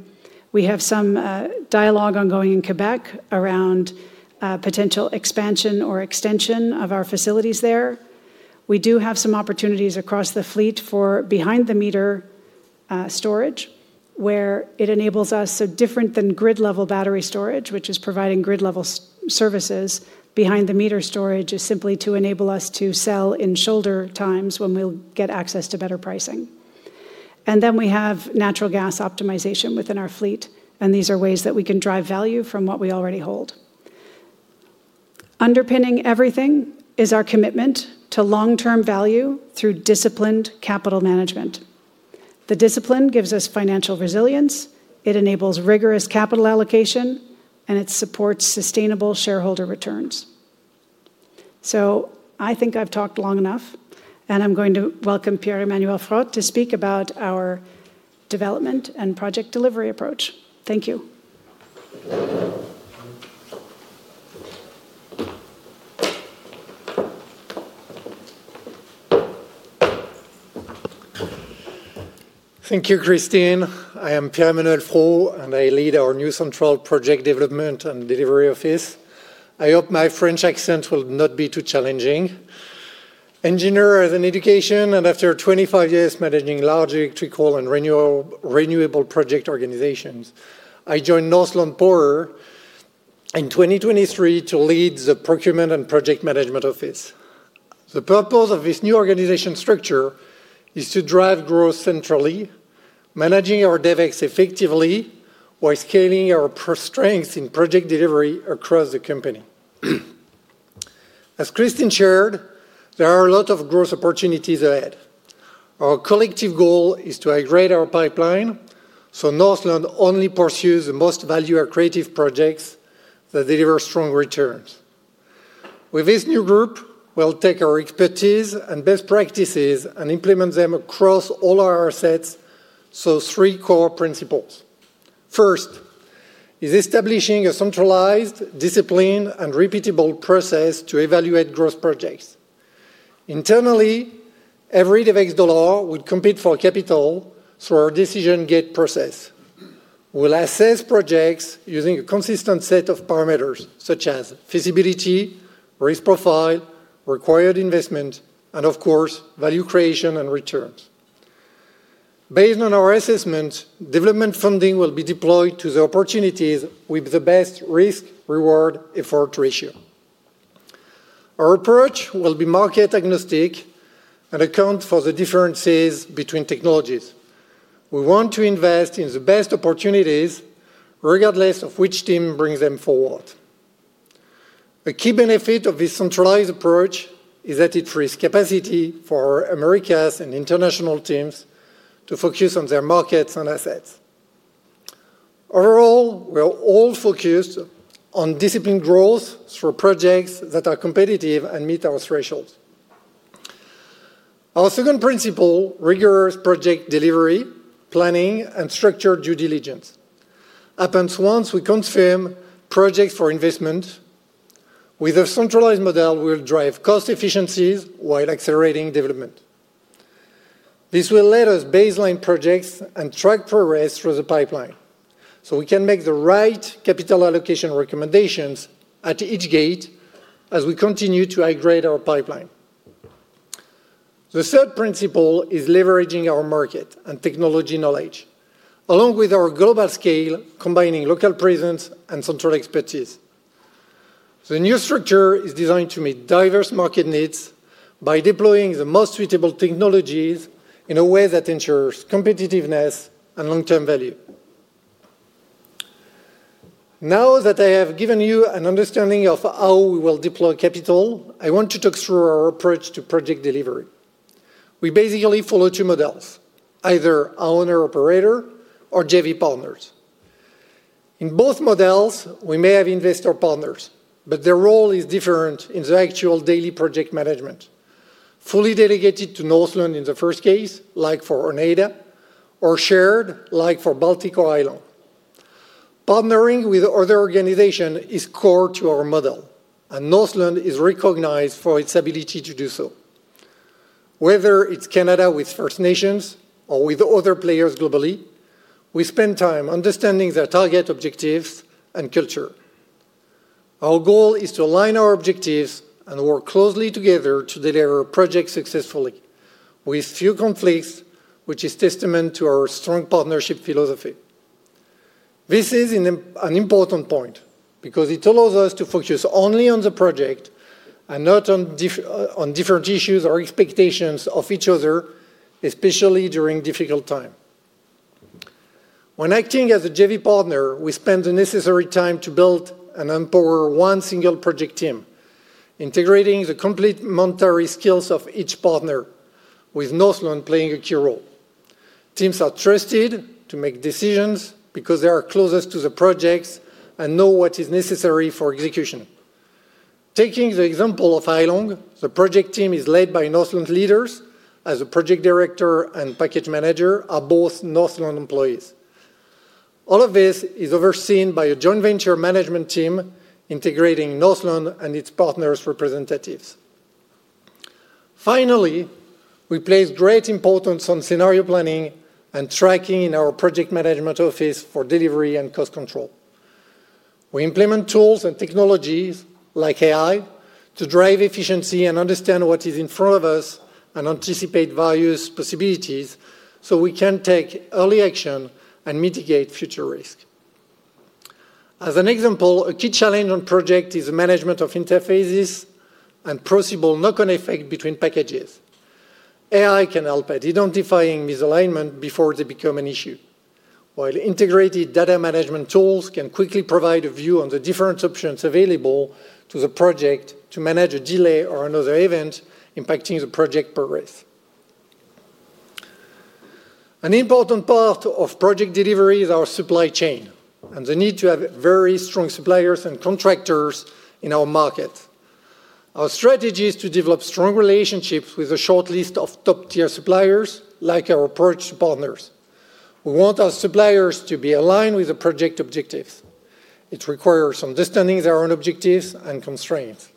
We have some dialogue ongoing in Quebec around potential expansion or extension of our facilities there. We do have some opportunities across the fleet for behind-the-meter storage where it enables us, so different than grid-level battery storage, which is providing grid-level services, behind-the-meter storage is simply to enable us to sell in shoulder times when we will get access to better pricing. We have natural gas optimization within our fleet, and these are ways that we can drive value from what we already hold. Underpinning everything is our commitment to long-term value through disciplined capital management. The discipline gives us financial resilience, it enables rigorous capital allocation, and it supports sustainable shareholder returns. I think I've talked long enough, and I'm going to welcome Pierre-Emmanuel Frot to speak about our development and project delivery approach. Thank you. Thank you, Christine. I am Pierre-Emmanuel Frot, and I lead our new central project development and delivery office. I hope my French accent will not be too challenging. Engineer as in education, and after 25 years managing large electrical and renewable project organizations, I joined Northland Power in 2023 to lead the procurement and project management office. The purpose of this new organization structure is to drive growth centrally, managing our DevEx effectively while scaling our strengths in project delivery across the company. As Christine shared, there are a lot of growth opportunities ahead. Our collective goal is to highlight our pipeline so Northland only pursues the most value-accretive projects that deliver strong returns. With this new group, we'll take our expertise and best practices and implement them across all our assets, so three core principles. First is establishing a centralized, disciplined, and repeatable process to evaluate growth projects. Internally, every DevEx dollar would compete for capital through our decision gate process. We'll assess projects using a consistent set of parameters such as feasibility, risk profile, required investment, and of course, value creation and returns. Based on our assessment, development funding will be deployed to the opportunities with the best risk-reward effort ratio. Our approach will be market agnostic and account for the differences between technologies. We want to invest in the best opportunities regardless of which team brings them forward. A key benefit of this centralized approach is that it frees capacity for our Americas and international teams to focus on their markets and assets. Overall, we're all focused on disciplined growth through projects that are competitive and meet our thresholds. Our second principle, rigorous project delivery, planning, and structured due diligence. Once we confirm projects for investment, with a centralized model, we'll drive cost efficiencies while accelerating development. This will let us baseline projects and track progress through the pipeline so we can make the right capital allocation recommendations at each gate as we continue to high-grade our pipeline. The third principle is leveraging our market and technology knowledge, along with our global scale, combining local presence and central expertise. The new structure is designed to meet diverse market needs by deploying the most suitable technologies in a way that ensures competitiveness and long-term value. Now that I have given you an understanding of how we will deploy capital, I want to talk through our approach to project delivery. We basically follow two models, either our owner-operator or JV partners. In both models, we may have investor partners, but their role is different in the actual daily project management. Fully delegated to Northland in the first case, like for Oneida, or shared, like for Baltic or Hailong. Partnering with other organizations is core to our model, and Northland is recognized for its ability to do so. Whether it's Canada with First Nations or with other players globally, we spend time understanding their target objectives and culture. Our goal is to align our objectives and work closely together to deliver projects successfully with few conflicts, which is testament to our strong partnership philosophy. This is an important point because it allows us to focus only on the project and not on different issues or expectations of each other, especially during difficult times. When acting as a JV partner, we spend the necessary time to build and empower one single project team, integrating the complete monetary skills of each partner, with Northland playing a key role. Teams are trusted to make decisions because they are closest to the projects and know what is necessary for execution. Taking the example of Hailong, the project team is led by Northland leaders as the project director and package manager are both Northland employees. All of this is overseen by a joint venture management team integrating Northland and its partners' representatives. Finally, we place great importance on scenario planning and tracking in our project management office for delivery and cost control. We implement tools and technologies like AI to drive efficiency and understand what is in front of us and anticipate various possibilities so we can take early action and mitigate future risk. As an example, a key challenge on project is the management of interfaces and possible knock-on effect between packages. AI can help at identifying misalignment before they become an issue, while integrated data management tools can quickly provide a view on the different options available to the project to manage a delay or another event impacting the project progress. An important part of project delivery is our supply chain and the need to have very strong suppliers and contractors in our market. Our strategy is to develop strong relationships with a short list of top-tier suppliers like our approach to partners. We want our suppliers to be aligned with the project objectives. It requires understanding their own objectives and constraints.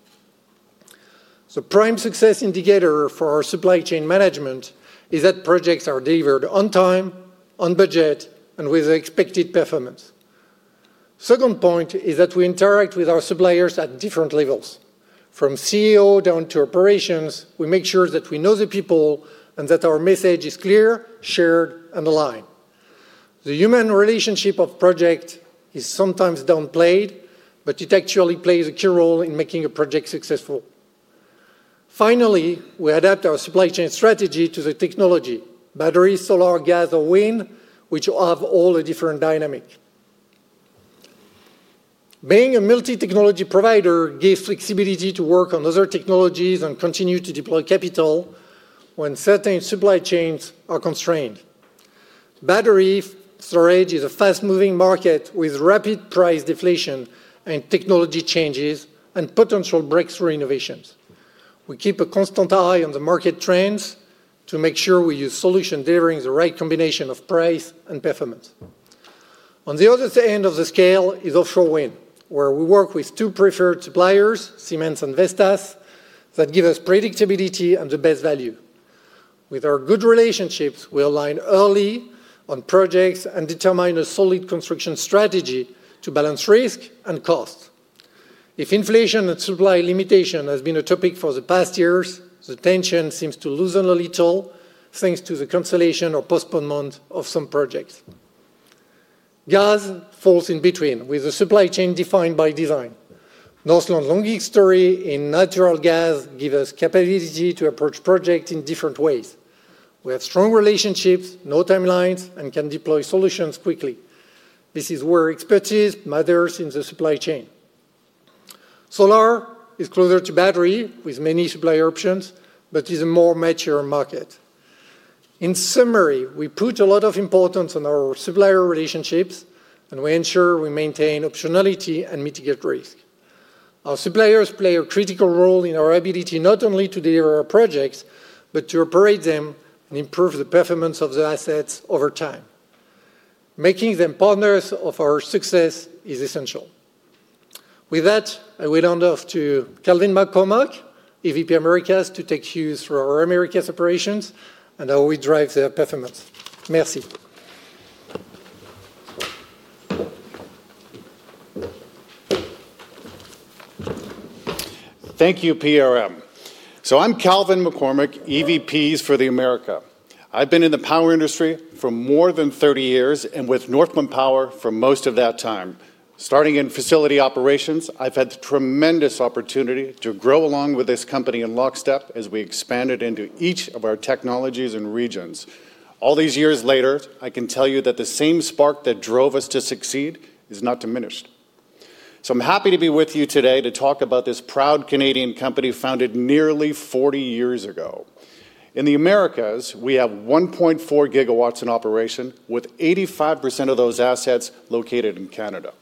The prime success indicator for our supply chain management is that projects are delivered on time, on budget, and with expected performance. Second point is that we interact with our suppliers at different levels. From CEO down to operations, we make sure that we know the people and that our message is clear, shared, and aligned. The human relationship of project is sometimes downplayed, but it actually plays a key role in making a project successful. Finally, we adapt our supply chain strategy to the technology, battery, solar, gas, or wind, which have all a different dynamic. Being a multi-technology provider gives flexibility to work on other technologies and continue to deploy capital when certain supply chains are constrained. Battery storage is a fast-moving market with rapid price deflation and technology changes and potential breakthrough innovations. We keep a constant eye on the market trends to make sure we use solutions delivering the right combination of price and performance. On the other end of the scale is offshore wind, where we work with two preferred suppliers, Siemens and Vestas, that give us predictability and the best value. With our good relationships, we align early on projects and determine a solid construction strategy to balance risk and cost. If inflation and supply limitation has been a topic for the past years, the tension seems to loosen a little thanks to the cancellation or postponement of some projects. Gas falls in between with the supply chain defined by design. Northland's long history in natural gas gives us the capability to approach projects in different ways. We have strong relationships, no timelines, and can deploy solutions quickly. This is where expertise matters in the supply chain. Solar is closer to battery with many supply options, but is a more mature market. In summary, we put a lot of importance on our supplier relationships, and we ensure we maintain optionality and mitigate risk. Our suppliers play a critical role in our ability not only to deliver our projects, but to operate them and improve the performance of the assets over time. Making them partners of our success is essential. With that, I will hand off to Calvin McCormick, EVP Americas, to take you through our Americas operations and how we drive their performance. Merci. Thank you, Pierre-Emmanuel. I am Calvin McCormick, EVP for the Americas. I have been in the power industry for more than 30 years and with Northland Power for most of that time. Starting in facility operations, I have had the tremendous opportunity to grow along with this company in lockstep as we expanded into each of our technologies and regions. All these years later, I can tell you that the same spark that drove us to succeed is not diminished. I'm happy to be with you today to talk about this proud Canadian company founded nearly 40 years ago. In the Americas, we have 1.4 gigawatts in operation, with 85% of those assets located in Canada.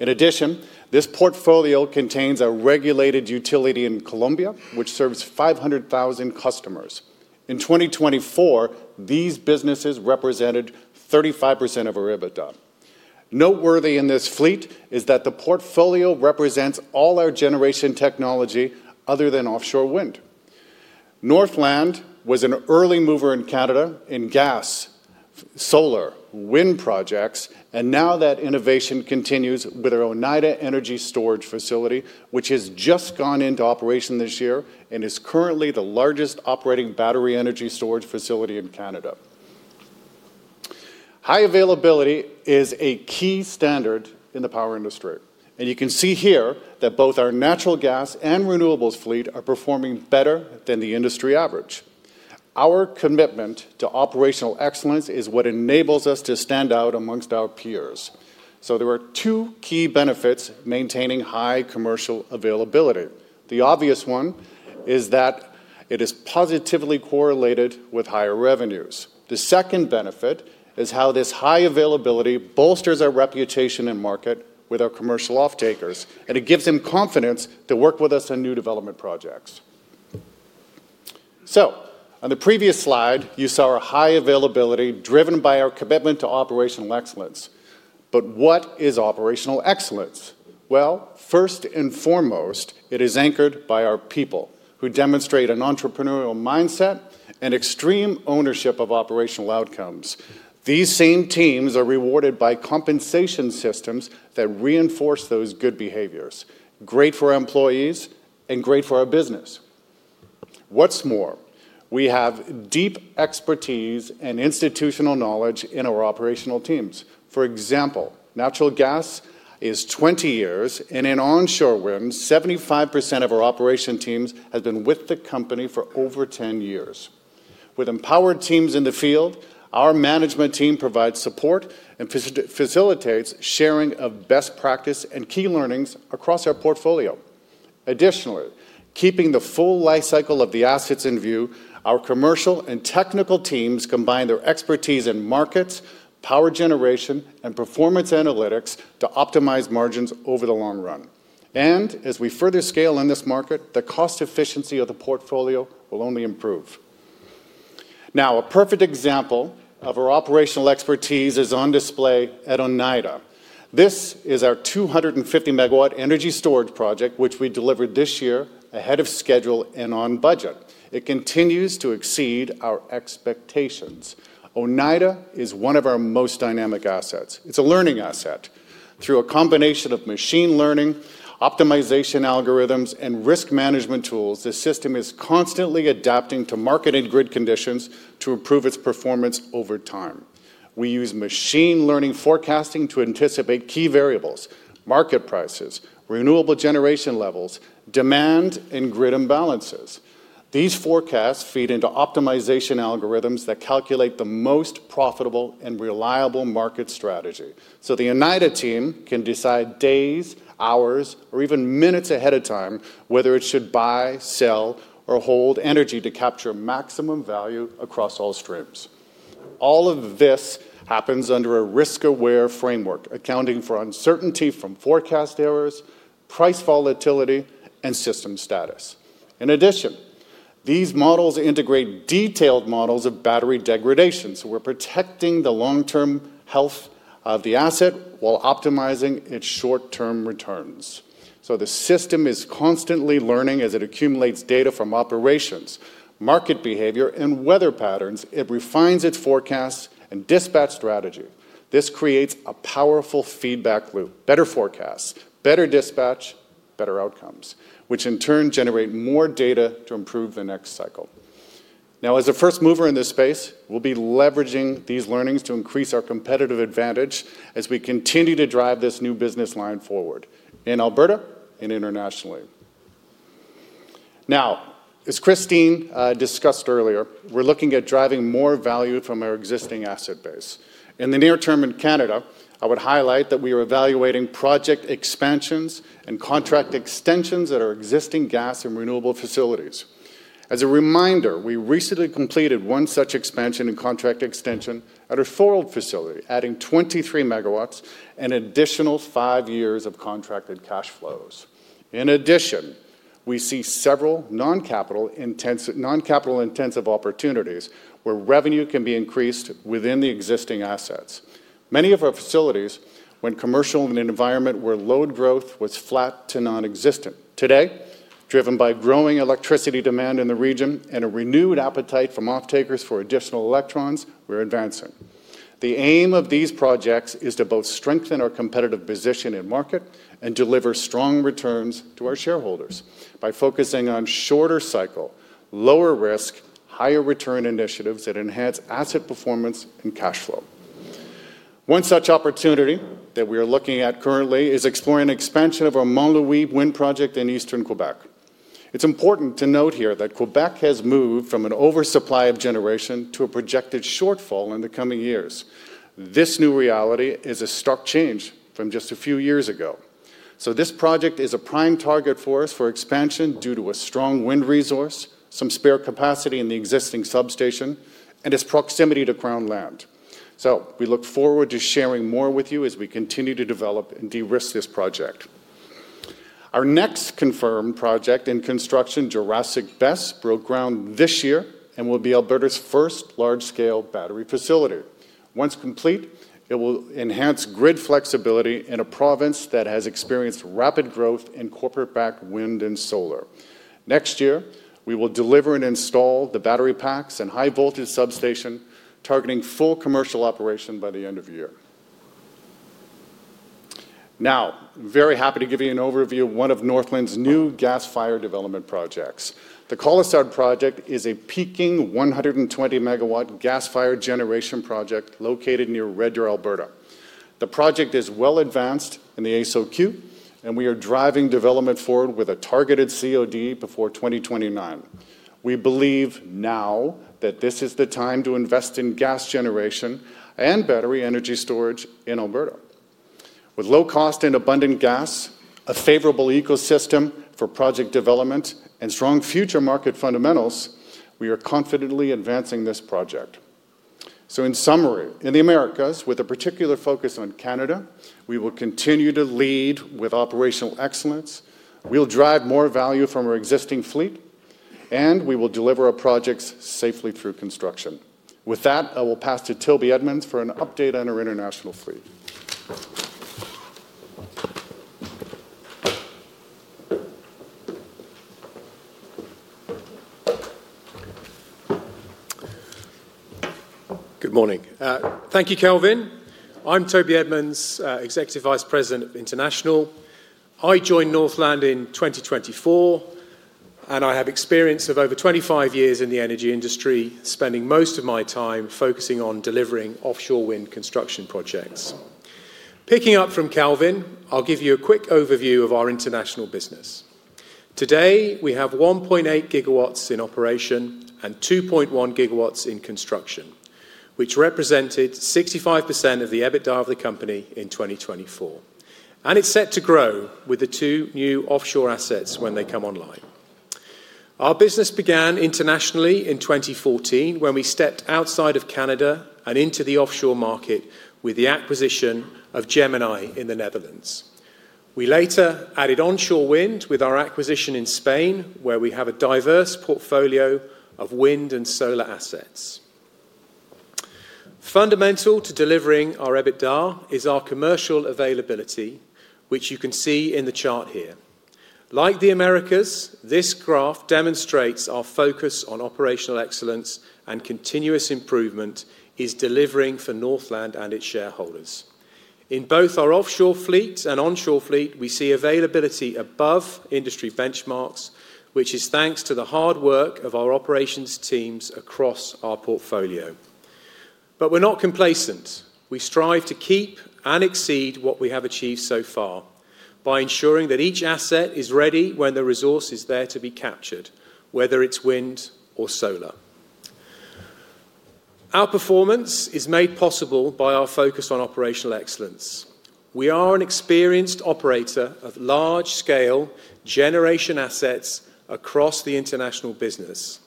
In addition, this portfolio contains a regulated utility in Colombia, which serves 500,000 customers. In 2024, these businesses represented 35% of our EBITDA. Noteworthy in this fleet is that the portfolio represents all our generation technology other than offshore wind. Northland was an early mover in Canada in gas, solar, wind projects, and now that innovation continues with our Oneida Energy Storage Facility, which has just gone into operation this year and is currently the largest operating battery energy storage facility in Canada. High availability is a key standard in the power industry, and you can see here that both our natural gas and renewables fleet are performing better than the industry average. Our commitment to operational excellence is what enables us to stand out amongst our peers. There are two key benefits to maintaining high commercial availability. The obvious one is that it is positively correlated with higher revenues. The second benefit is how this high availability bolsters our reputation in market with our commercial off-takers, and it gives them confidence to work with us on new development projects. On the previous slide, you saw our high availability driven by our commitment to operational excellence. What is operational excellence? First and foremost, it is anchored by our people who demonstrate an entrepreneurial mindset and extreme ownership of operational outcomes. These same teams are rewarded by compensation systems that reinforce those good behaviors. Great for our employees and great for our business. What's more, we have deep expertise and institutional knowledge in our operational teams. For example, natural gas is 20 years, and in onshore wind, 75% of our operation teams have been with the company for over 10 years. With empowered teams in the field, our management team provides support and facilitates sharing of best practice and key learnings across our portfolio. Additionally, keeping the full life cycle of the assets in view, our commercial and technical teams combine their expertise in markets, power generation, and performance analytics to optimize margins over the long run. As we further scale in this market, the cost efficiency of the portfolio will only improve. Now, a perfect example of our operational expertise is on display at Oneida. This is our 250 MW energy storage project, which we delivered this year ahead of schedule and on budget. It continues to exceed our expectations. Oneida is one of our most dynamic assets. It is a learning asset. Through a combination of machine learning, optimization algorithms, and risk management tools, the system is constantly adapting to market and grid conditions to improve its performance over time. We use machine learning forecasting to anticipate key variables: market prices, renewable generation levels, demand, and grid imbalances. These forecasts feed into optimization algorithms that calculate the most profitable and reliable market strategy. The Oneida team can decide days, hours, or even minutes ahead of time whether it should buy, sell, or hold energy to capture maximum value across all streams. All of this happens under a risk-aware framework, accounting for uncertainty from forecast errors, price volatility, and system status. In addition, these models integrate detailed models of battery degradation, so we're protecting the long-term health of the asset while optimizing its short-term returns. The system is constantly learning as it accumulates data from operations, market behavior, and weather patterns. It refines its forecast and dispatch strategy. This creates a powerful feedback loop: better forecasts, better dispatch, better outcomes, which in turn generate more data to improve the next cycle. Now, as a first mover in this space, we'll be leveraging these learnings to increase our competitive advantage as we continue to drive this new business line forward in Alberta and internationally. As Christine discussed earlier, we're looking at driving more value from our existing asset base. In the near term in Canada, I would highlight that we are evaluating project expansions and contract extensions at our existing gas and renewable facilities. As a reminder, we recently completed one such expansion and contract extension at our Ford facility, adding 23 megawatts and an additional five years of contracted cash flows. In addition, we see several non-capital intensive opportunities where revenue can be increased within the existing assets. Many of our facilities went commercial in an environment where load growth was flat to nonexistent. Today, driven by growing electricity demand in the region and a renewed appetite from off-takers for additional electrons, we are advancing. The aim of these projects is to both strengthen our competitive position in market and deliver strong returns to our shareholders by focusing on shorter cycle, lower risk, higher return initiatives that enhance asset performance and cash flow. One such opportunity that we are looking at currently is exploring expansion of our Monlowee wind project in eastern Quebec. It's important to note here that Quebec has moved from an oversupply of generation to a projected shortfall in the coming years. This new reality is a stark change from just a few years ago. This project is a prime target for us for expansion due to a strong wind resource, some spare capacity in the existing substation, and its proximity to ground land. We look forward to sharing more with you as we continue to develop and de-risk this project. Our next confirmed project in construction, Jurassic BESS, broke ground this year and will be Alberta's first large-scale battery facility. Once complete, it will enhance grid flexibility in a province that has experienced rapid growth in corporate-backed wind and solar. Next year, we will deliver and install the battery packs and high-voltage substation, targeting full commercial operation by the end of the year. Now, I'm very happy to give you an overview of one of Northland's new gas-fired development projects. The Colosard project is a peaking 120 MW gas-fired generation project located near Red Deer, Alberta. The project is well advanced in the ASOQ, and we are driving development forward with a targeted COD before 2029. We believe now that this is the time to invest in gas generation and battery energy storage in Alberta. With low-cost and abundant gas, a favorable ecosystem for project development, and strong future market fundamentals, we are confidently advancing this project. In summary, in the Americas, with a particular focus on Canada, we will continue to lead with operational excellence. We'll drive more value from our existing fleet, and we will deliver our projects safely through construction. With that, I will pass to Toby Edmonds for an update on our international fleet. Good morning. Thank you, Calvin. I'm Toby Edmonds, Executive Vice President of International. I joined Northland in 2024, and I have experience of over 25 years in the energy industry, spending most of my time focusing on delivering offshore wind construction projects. Picking up from Calvin, I'll give you a quick overview of our international business. Today, we have 1.8 gigawatts in operation and 2.1 gigawatts in construction, which represented 65% of the EBITDA of the company in 2024. It is set to grow with the two new offshore assets when they come online. Our business began internationally in 2014 when we stepped outside of Canada and into the offshore market with the acquisition of Gemini in the Netherlands. We later added onshore wind with our acquisition in Spain, where we have a diverse portfolio of wind and solar assets. Fundamental to delivering our EBITDA is our commercial availability, which you can see in the chart here. Like the Americas, this graph demonstrates our focus on operational excellence and continuous improvement is delivering for Northland and its shareholders. In both our offshore fleet and onshore fleet, we see availability above industry benchmarks, which is thanks to the hard work of our operations teams across our portfolio. We are not complacent. We strive to keep and exceed what we have achieved so far by ensuring that each asset is ready when the resource is there to be captured, whether it is wind or solar. Our performance is made possible by our focus on operational excellence. We are an experienced operator of large-scale generation assets across the international business,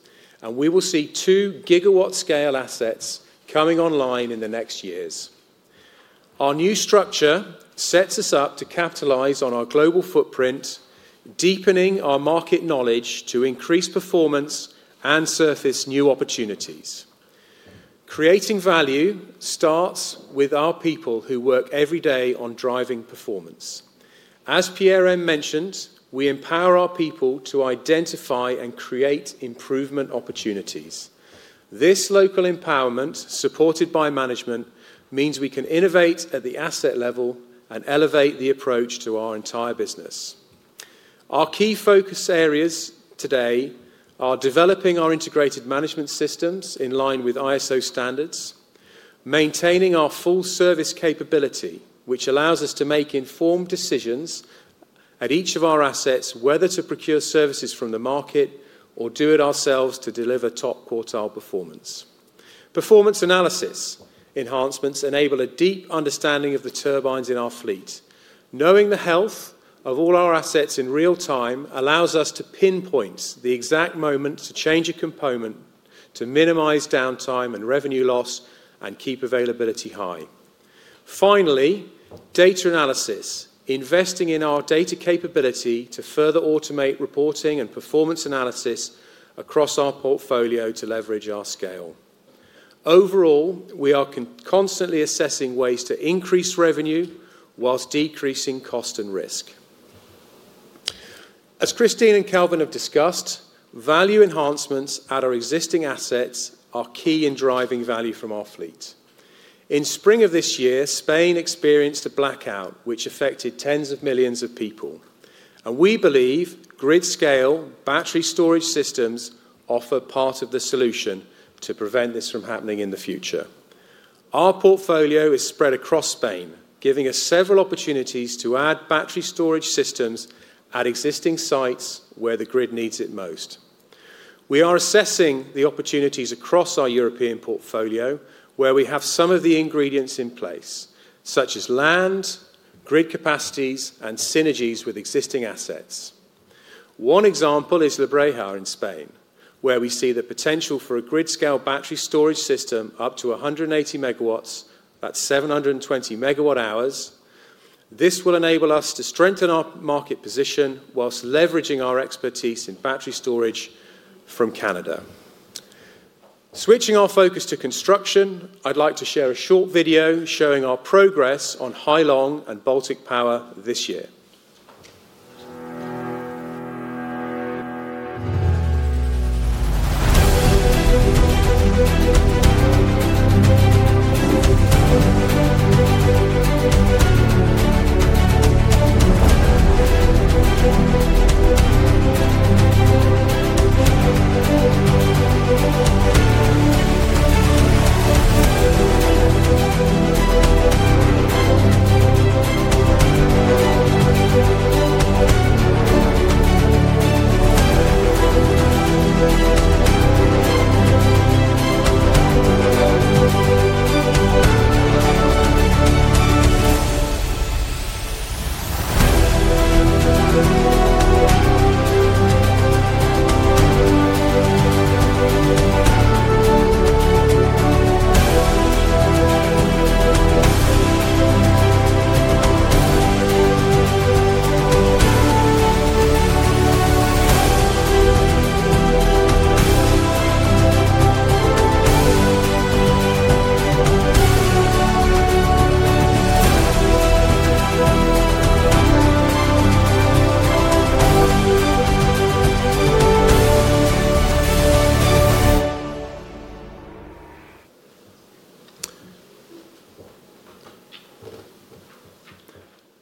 and we will see two gigawatt-scale assets coming online in the next years. Our new structure sets us up to capitalize on our global footprint, deepening our market knowledge to increase performance and surface new opportunities. Creating value starts with our people who work every day on driving performance. As Pierre-Emmanuel Frot mentioned, we empower our people to identify and create improvement opportunities. This local empowerment, supported by management, means we can innovate at the asset level and elevate the approach to our entire business. Our key focus areas today are developing our integrated management systems in line with ISO standards, maintaining our full service capability, which allows us to make informed decisions at each of our assets, whether to procure services from the market or do it ourselves to deliver top quartile performance. Performance analysis enhancements enable a deep understanding of the turbines in our fleet. Knowing the health of all our assets in real time allows us to pinpoint the exact moment to change a component to minimize downtime and revenue loss and keep availability high. Finally, data analysis, investing in our data capability to further automate reporting and performance analysis across our portfolio to leverage our scale. Overall, we are constantly assessing ways to increase revenue whilst decreasing cost and risk. As Christine and Calvin have discussed, value enhancements at our existing assets are key in driving value from our fleet. In spring of this year, Spain experienced a blackout, which affected tens of millions of people. We believe grid-scale battery storage systems offer part of the solution to prevent this from happening in the future. Our portfolio is spread across Spain, giving us several opportunities to add battery storage systems at existing sites where the grid needs it most. We are assessing the opportunities across our European portfolio where we have some of the ingredients in place, such as land, grid capacities, and synergies with existing assets. One example is La Breja in Spain, where we see the potential for a grid-scale battery storage system up to 180 megawatts, that's 720 megawatt hours. This will enable us to strengthen our market position whilst leveraging our expertise in battery storage from Canada. Switching our focus to construction, I'd like to share a short video showing our progress on Hailong and Baltic Power this year.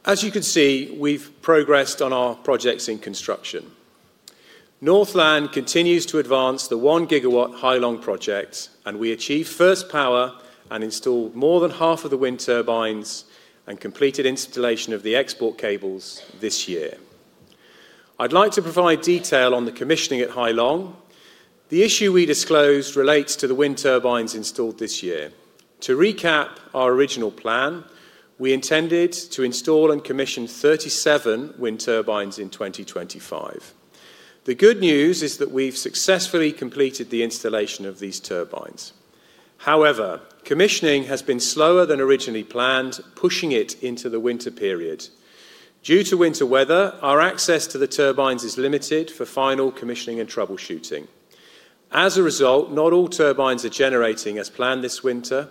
As you can see, we've progressed on our projects in construction. Northland continues to advance the one-gigawatt Hailong project, and we achieved first power and installed more than half of the wind turbines and completed installation of the export cables this year. I'd like to provide detail on the commissioning at Hailong. The issue we disclosed relates to the wind turbines installed this year. To recap our original plan, we intended to install and commission 37 wind turbines in 2025. The good news is that we've successfully completed the installation of these turbines. However, commissioning has been slower than originally planned, pushing it into the winter period. Due to winter weather, our access to the turbines is limited for final commissioning and troubleshooting. As a result, not all turbines are generating as planned this winter.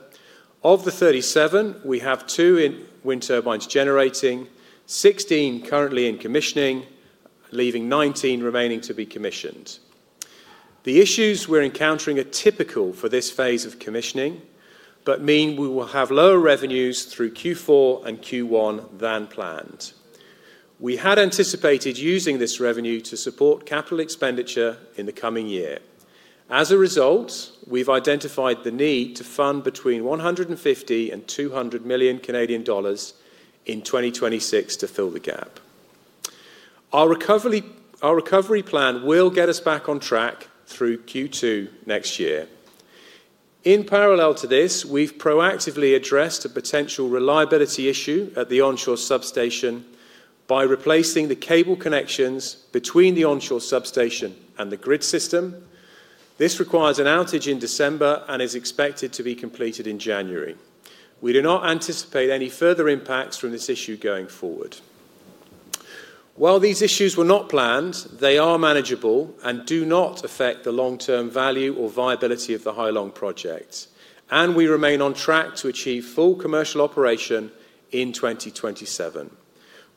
Of the 37, we have two wind turbines generating, 16 currently in commissioning, leaving 19 remaining to be commissioned. The issues we're encountering are typical for this phase of commissioning, but mean we will have lower revenues through Q4 and Q1 than planned. We had anticipated using this revenue to support capital expenditure in the coming year. As a result, we've identified the need to fund between 150 million and 200 million Canadian dollars in 2026 to fill the gap. Our recovery plan will get us back on track through Q2 next year. In parallel to this, we've proactively addressed a potential reliability issue at the onshore substation by replacing the cable connections between the onshore substation and the grid system. This requires an outage in December and is expected to be completed in January. We do not anticipate any further impacts from this issue going forward. While these issues were not planned, they are manageable and do not affect the long-term value or viability of the Hailong project. We remain on track to achieve full commercial operation in 2027.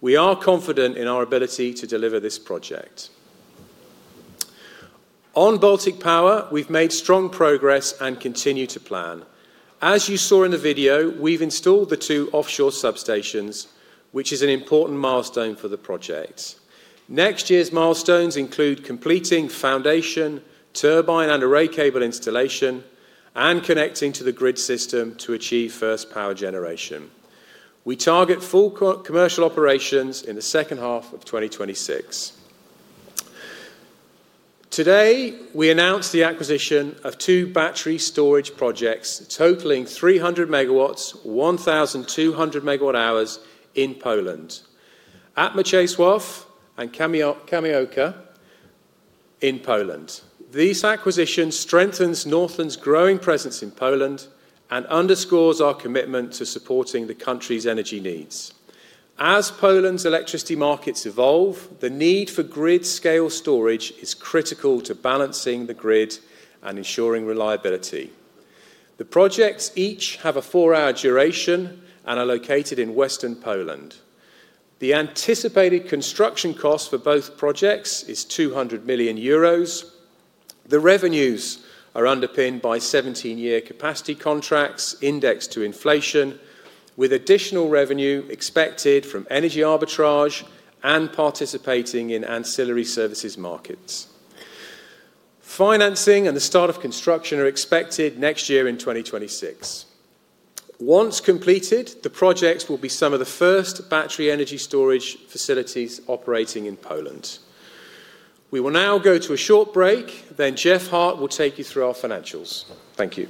We are confident in our ability to deliver this project. On Baltic Power, we've made strong progress and continue to plan. As you saw in the video, we've installed the two offshore substations, which is an important milestone for the project. Next year's milestones include completing foundation, turbine and array cable installation, and connecting to the grid system to achieve first power generation. We target full commercial operations in the second half of 2026. Today, we announced the acquisition of two battery storage projects totaling 300 megawatts, 1,200 megawatt hours in Poland, at Maciejysław and Kamieńka in Poland. This acquisition strengthens Northland's growing presence in Poland and underscores our commitment to supporting the country's energy needs. As Poland's electricity markets evolve, the need for grid-scale storage is critical to balancing the grid and ensuring reliability. The projects each have a four-hour duration and are located in western Poland. The anticipated construction cost for both projects is 200 million euros. The revenues are underpinned by 17-year capacity contracts indexed to inflation, with additional revenue expected from energy arbitrage and participating in ancillary services markets. Financing and the start of construction are expected next year in 2026. Once completed, the projects will be some of the first battery energy storage facilities operating in Poland. We will now go to a short break, then Jeff Hart will take you through our financials. Thank you.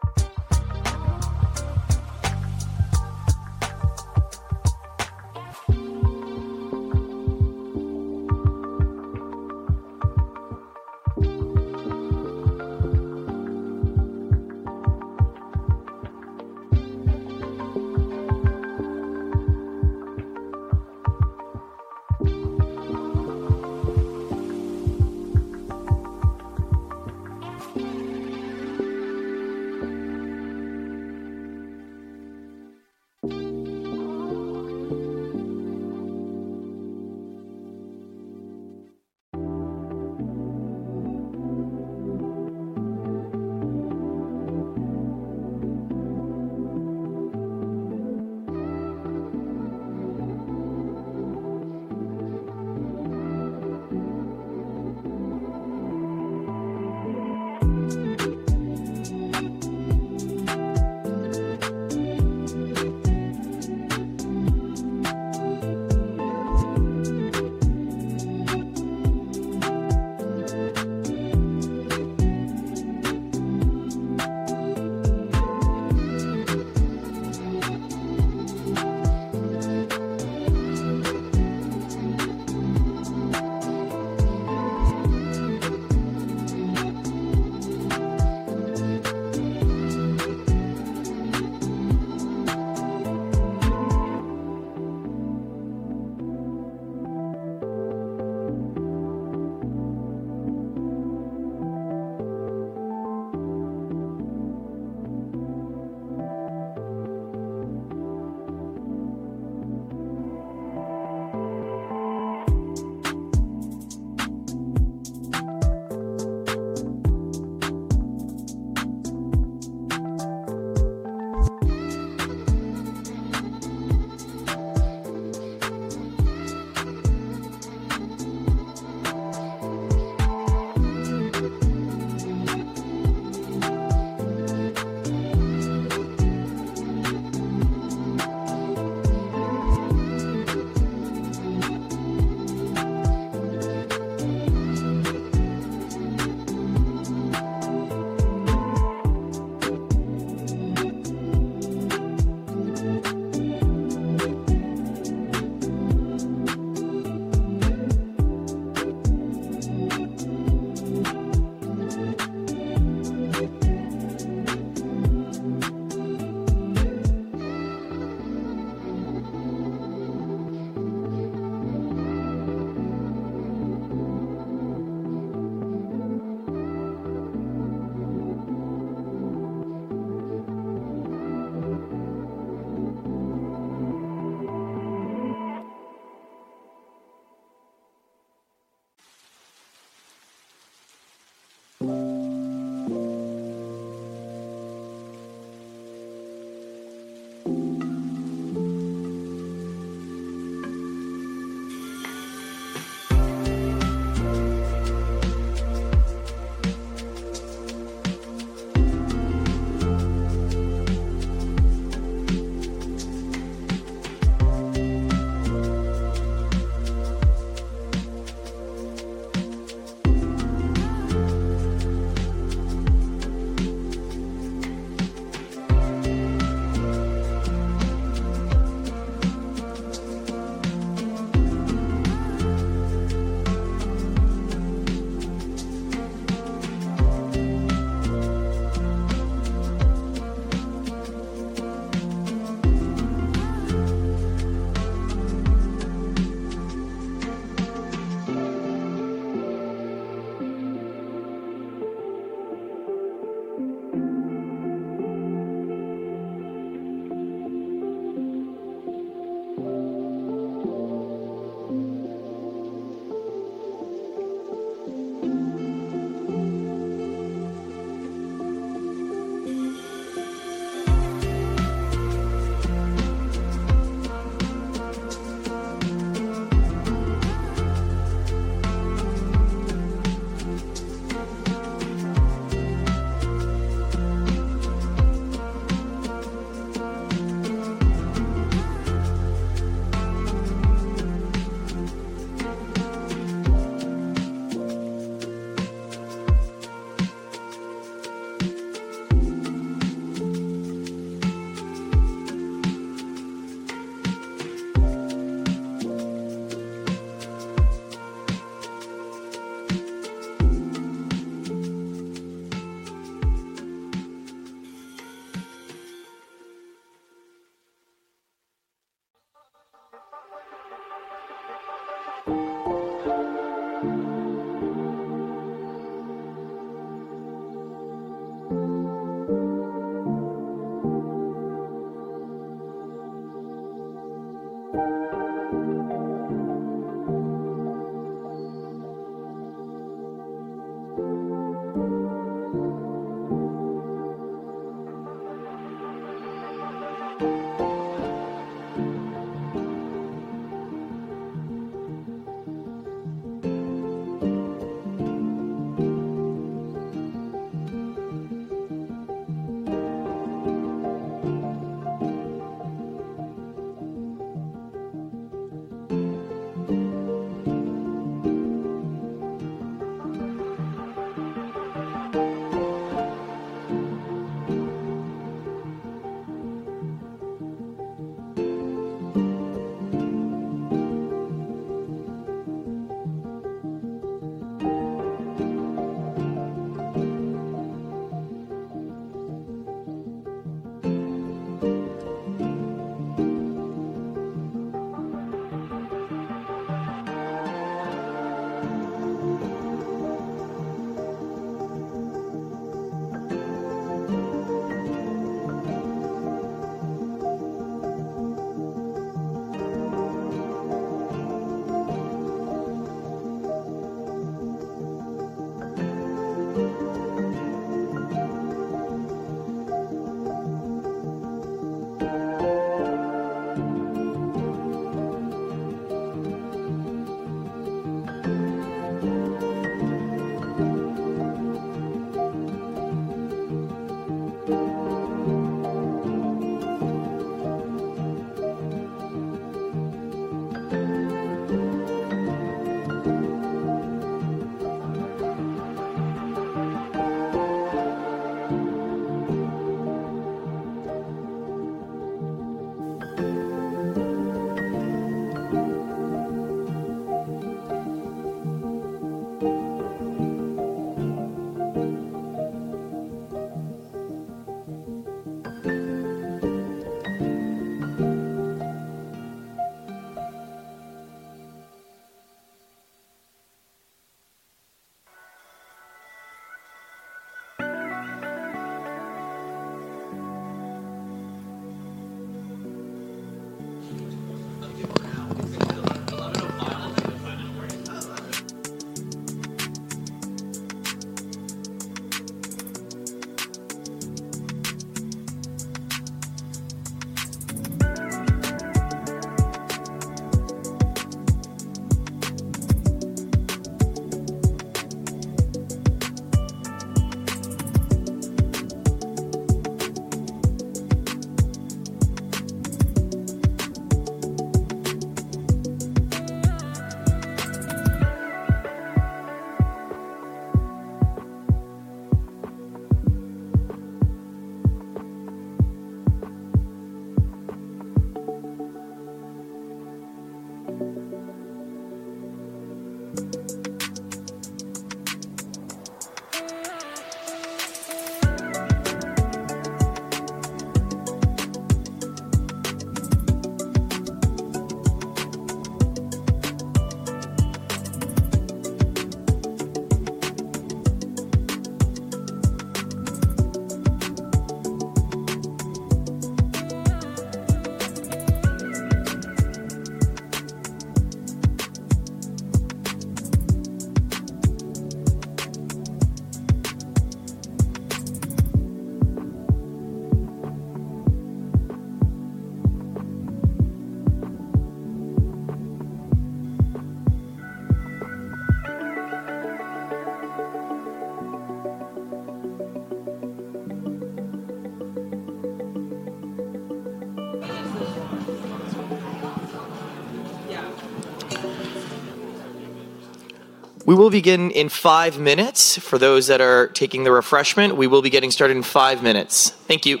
We will begin in five minutes. For those that are taking the refreshment, we will be getting started in five minutes. Thank you.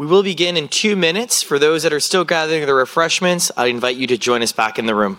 We will begin in two minutes. For those that are still gathering the refreshments, I invite you to join us back in the room.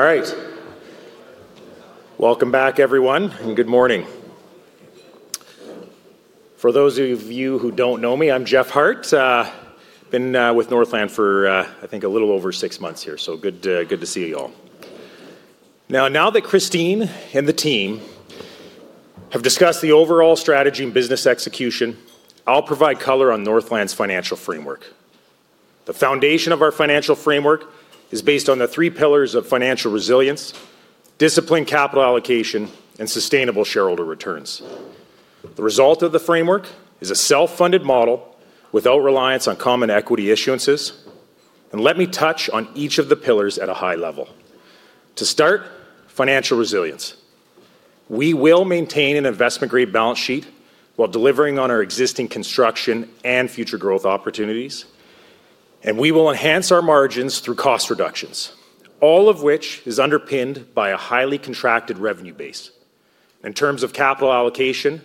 All right. Welcome back, everyone, and good morning. For those of you who don't know me, I'm Jeff Hart. I've been with Northland for, I think, a little over six months here, so good to see you all. Now that Christine and the team have discussed the overall strategy and business execution, I'll provide color on Northland's financial framework. The foundation of our financial framework is based on the three pillars of financial resilience, disciplined capital allocation, and sustainable shareholder returns. The result of the framework is a self-funded model without reliance on common equity issuances, and let me touch on each of the pillars at a high level. To start, financial resilience. We will maintain an investment-grade balance sheet while delivering on our existing construction and future growth opportunities, and we will enhance our margins through cost reductions, all of which is underpinned by a highly contracted revenue base. In terms of capital allocation,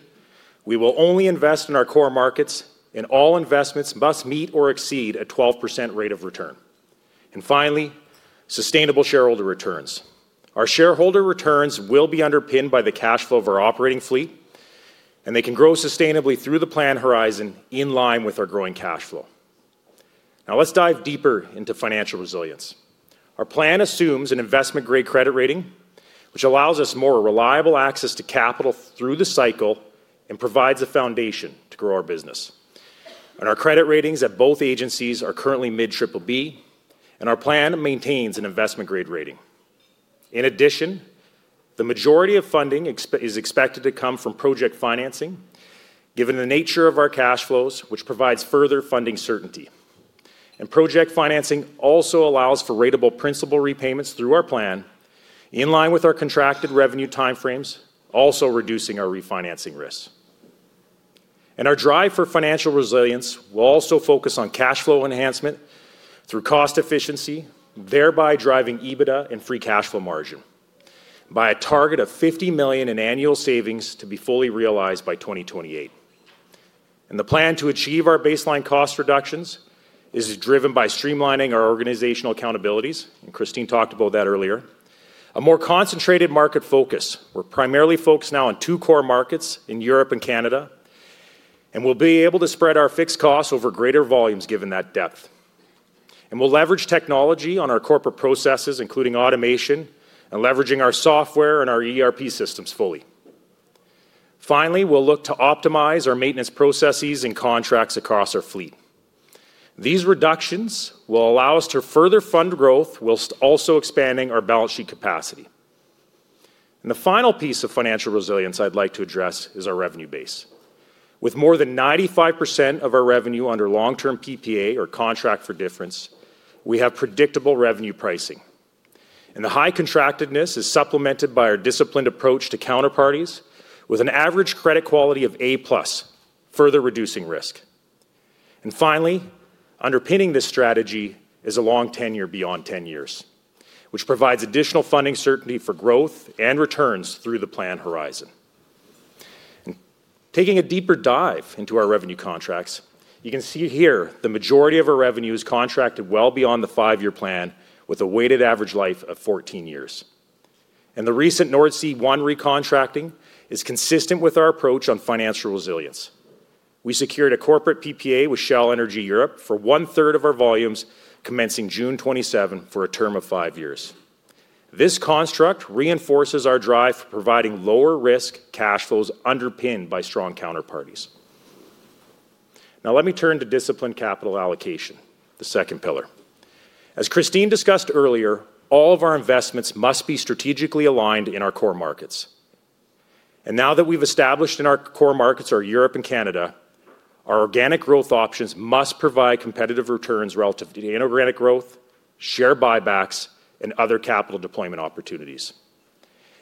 we will only invest in our core markets, and all investments must meet or exceed a 12% rate of return. Finally, sustainable shareholder returns. Our shareholder returns will be underpinned by the cash flow of our operating fleet, and they can grow sustainably through the planned horizon in line with our growing cash flow. Now let's dive deeper into financial resilience. Our plan assumes an investment-grade credit rating, which allows us more reliable access to capital through the cycle and provides a foundation to grow our business. Our credit ratings at both agencies are currently mid-Triple B, and our plan maintains an investment-grade rating. In addition, the majority of funding is expected to come from project financing, given the nature of our cash flows, which provides further funding certainty. Project financing also allows for ratable principal repayments through our plan in line with our contracted revenue timeframes, also reducing our refinancing risk. Our drive for financial resilience will also focus on cash flow enhancement through cost efficiency, thereby driving EBITDA and free cash flow margin, by a target of 50 million in annual savings to be fully realized by 2028. The plan to achieve our baseline cost reductions is driven by streamlining our organizational accountabilities, and Christine talked about that earlier. A more concentrated market focus. We're primarily focused now on two core markets in Europe and Canada, and we'll be able to spread our fixed costs over greater volumes given that depth. We'll leverage technology on our corporate processes, including automation and leveraging our software and our ERP systems fully. Finally, we'll look to optimize our maintenance processes and contracts across our fleet. These reductions will allow us to further fund growth whilst also expanding our balance sheet capacity. The final piece of financial resilience I'd like to address is our revenue base. With more than 95% of our revenue under long-term PPA, or contract for difference, we have predictable revenue pricing. The high contractedness is supplemented by our disciplined approach to counterparties with an average credit quality of A-plus, further reducing risk. Finally, underpinning this strategy is a long tenure beyond 10 years, which provides additional funding certainty for growth and returns through the planned horizon. Taking a deeper dive into our revenue contracts, you can see here the majority of our revenue is contracted well beyond the five-year plan, with a weighted average life of 14 years. The recent North Sea One recontracting is consistent with our approach on financial resilience. We secured a corporate PPA with Shell Energy Europe for one-third of our volumes, commencing June 27 for a term of five years. This construct reinforces our drive for providing lower-risk cash flows underpinned by strong counterparties. Now let me turn to disciplined capital allocation, the second pillar. As Christine discussed earlier, all of our investments must be strategically aligned in our core markets. Now that we have established our core markets are Europe and Canada, our organic growth options must provide competitive returns relative to inorganic growth, share buybacks, and other capital deployment opportunities.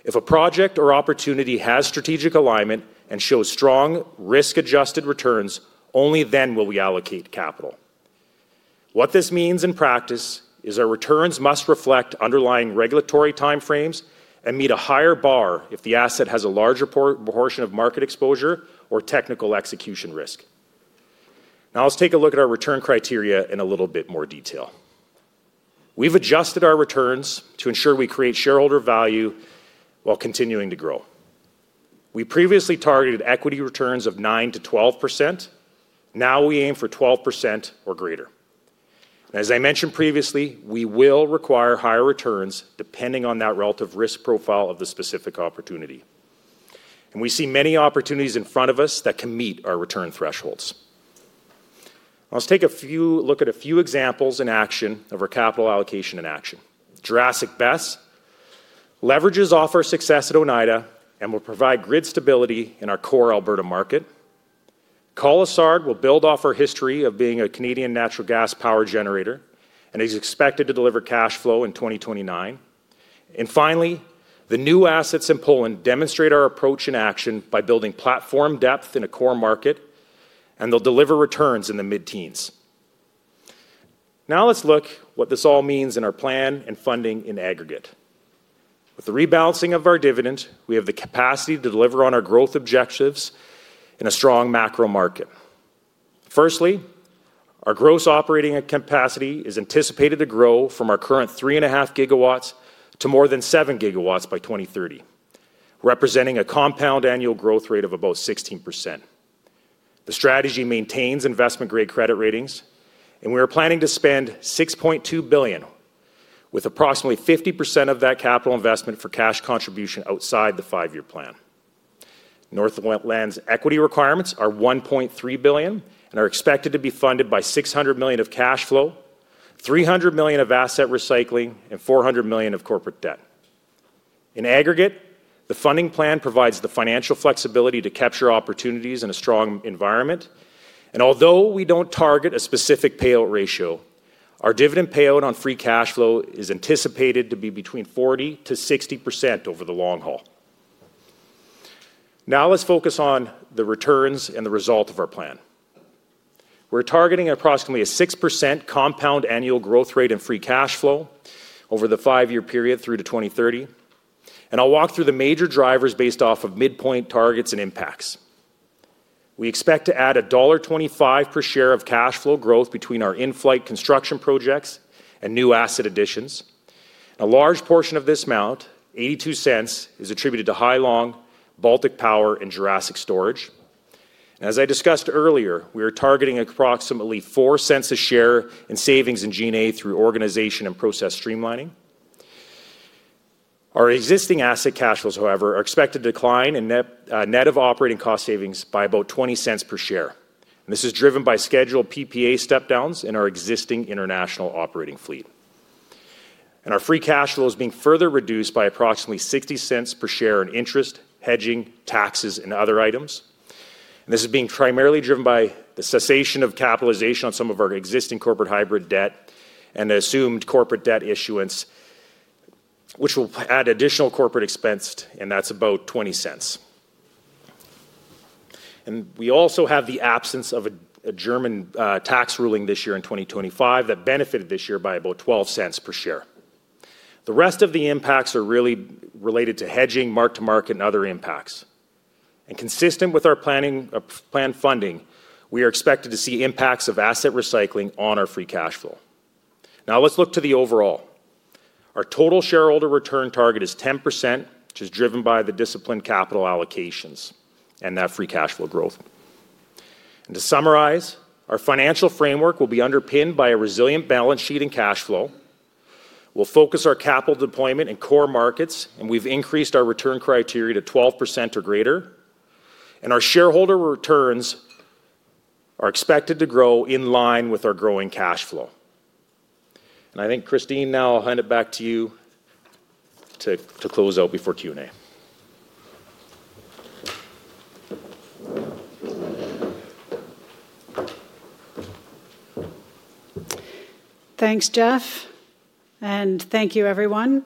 If a project or opportunity has strategic alignment and shows strong risk-adjusted returns, only then will we allocate capital. What this means in practice is our returns must reflect underlying regulatory timeframes and meet a higher bar if the asset has a larger proportion of market exposure or technical execution risk. Now let's take a look at our return criteria in a little bit more detail. We've adjusted our returns to ensure we create shareholder value while continuing to grow. We previously targeted equity returns of 9-12%. Now we aim for 12% or greater. As I mentioned previously, we will require higher returns depending on that relative risk profile of the specific opportunity. We see many opportunities in front of us that can meet our return thresholds. Let's take a look at a few examples in action of our capital allocation in action. Jurassic BESS leverages off our success at Oneida and will provide grid stability in our core Alberta market. Colosard will build off our history of being a Canadian natural gas power generator and is expected to deliver cash flow in 2029. Finally, the new assets in Poland demonstrate our approach in action by building platform depth in a core market, and they'll deliver returns in the mid-teens. Now let's look at what this all means in our plan and funding in aggregate. With the rebalancing of our dividend, we have the capacity to deliver on our growth objectives in a strong macro market. Firstly, our gross operating capacity is anticipated to grow from our current 3.5 gigawatts to more than 7 gigawatts by 2030, representing a compound annual growth rate of about 16%. The strategy maintains investment-grade credit ratings, and we are planning to spend 6.2 billion, with approximately 50% of that capital investment for cash contribution outside the five-year plan. Northland's equity requirements are 1.3 billion and are expected to be funded by 600 million of cash flow, 300 million of asset recycling, and 400 million of corporate debt. In aggregate, the funding plan provides the financial flexibility to capture opportunities in a strong environment. Although we do not target a specific payout ratio, our dividend payout on free cash flow is anticipated to be between 40-60% over the long haul. Now let's focus on the returns and the result of our plan. We are targeting approximately a 6% compound annual growth rate in free cash flow over the five-year period through to 2030. I will walk through the major drivers based off of midpoint targets and impacts. We expect to add $1.25 per share of cash flow growth between our in-flight construction projects and new asset additions. A large portion of this amount, $0.82, is attributed to Hailong, Baltic Power, and Jurassic Storage. As I discussed earlier, we are targeting approximately $0.04 per share in savings in G&A through organization and process streamlining. Our existing asset cash flows, however, are expected to decline net of operating cost savings by about $0.20 per share. This is driven by scheduled PPA step-downs in our existing international operating fleet. Our free cash flow is being further reduced by approximately $0.60 per share in interest, hedging, taxes, and other items. This is being primarily driven by the cessation of capitalization on some of our existing corporate hybrid debt and the assumed corporate debt issuance, which will add additional corporate expense, and that is about $0.20. We also have the absence of a German tax ruling this year in 2025 that benefited this year by about $0.12 per share. The rest of the impacts are really related to hedging, mark-to-market, and other impacts. Consistent with our planned funding, we are expected to see impacts of asset recycling on our free cash flow. Now let's look to the overall. Our total shareholder return target is 10%, which is driven by the disciplined capital allocations and that free cash flow growth. To summarize, our financial framework will be underpinned by a resilient balance sheet and cash flow. We'll focus our capital deployment in core markets, and we've increased our return criteria to 12% or greater. Our shareholder returns are expected to grow in line with our growing cash flow. I think, Christine, now I'll hand it back to you to close out before Q&A. Thanks, Jeff, and thank you, everyone.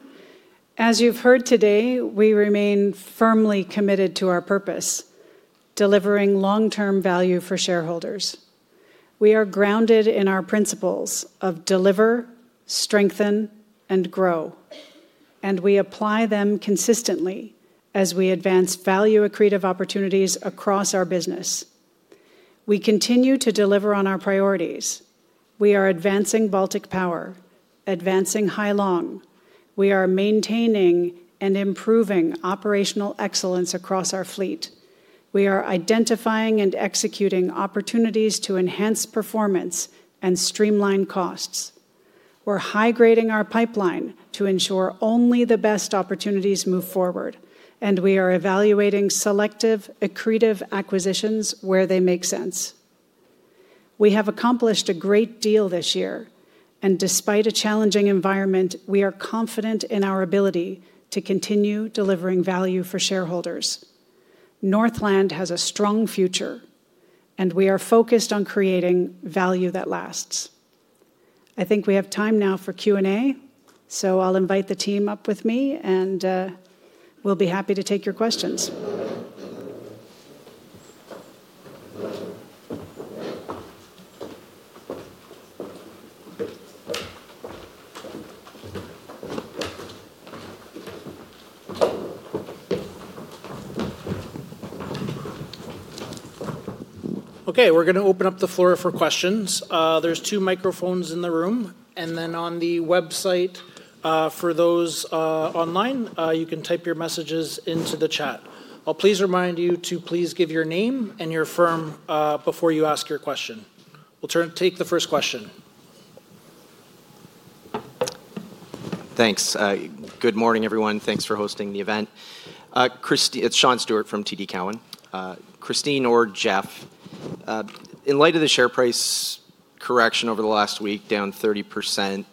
As you've heard today, we remain firmly committed to our purpose, delivering long-term value for shareholders. We are grounded in our principles of deliver, strengthen, and grow, and we apply them consistently as we advance value-accretive opportunities across our business. We continue to deliver on our priorities. We are advancing Baltic Power, advancing Hailong. We are maintaining and improving operational excellence across our fleet. We are identifying and executing opportunities to enhance performance and streamline costs. We're high-grading our pipeline to ensure only the best opportunities move forward, and we are evaluating selective accretive acquisitions where they make sense. We have accomplished a great deal this year, and despite a challenging environment, we are confident in our ability to continue delivering value for shareholders. Northland has a strong future, and we are focused on creating value that lasts. I think we have time now for Q&A, so I'll invite the team up with me, and we'll be happy to take your questions. Okay, we're going to open up the floor for questions. There are two microphones in the room, and then on the website for those online, you can type your messages into the chat. I'll please remind you to please give your name and your firm before you ask your question. We'll take the first question. Thanks. Good morning, everyone. Thanks for hosting the event. It's Sean Stewart from TD Cowen. Christine or Jeff, in light of the share price correction over the last week, down 30%,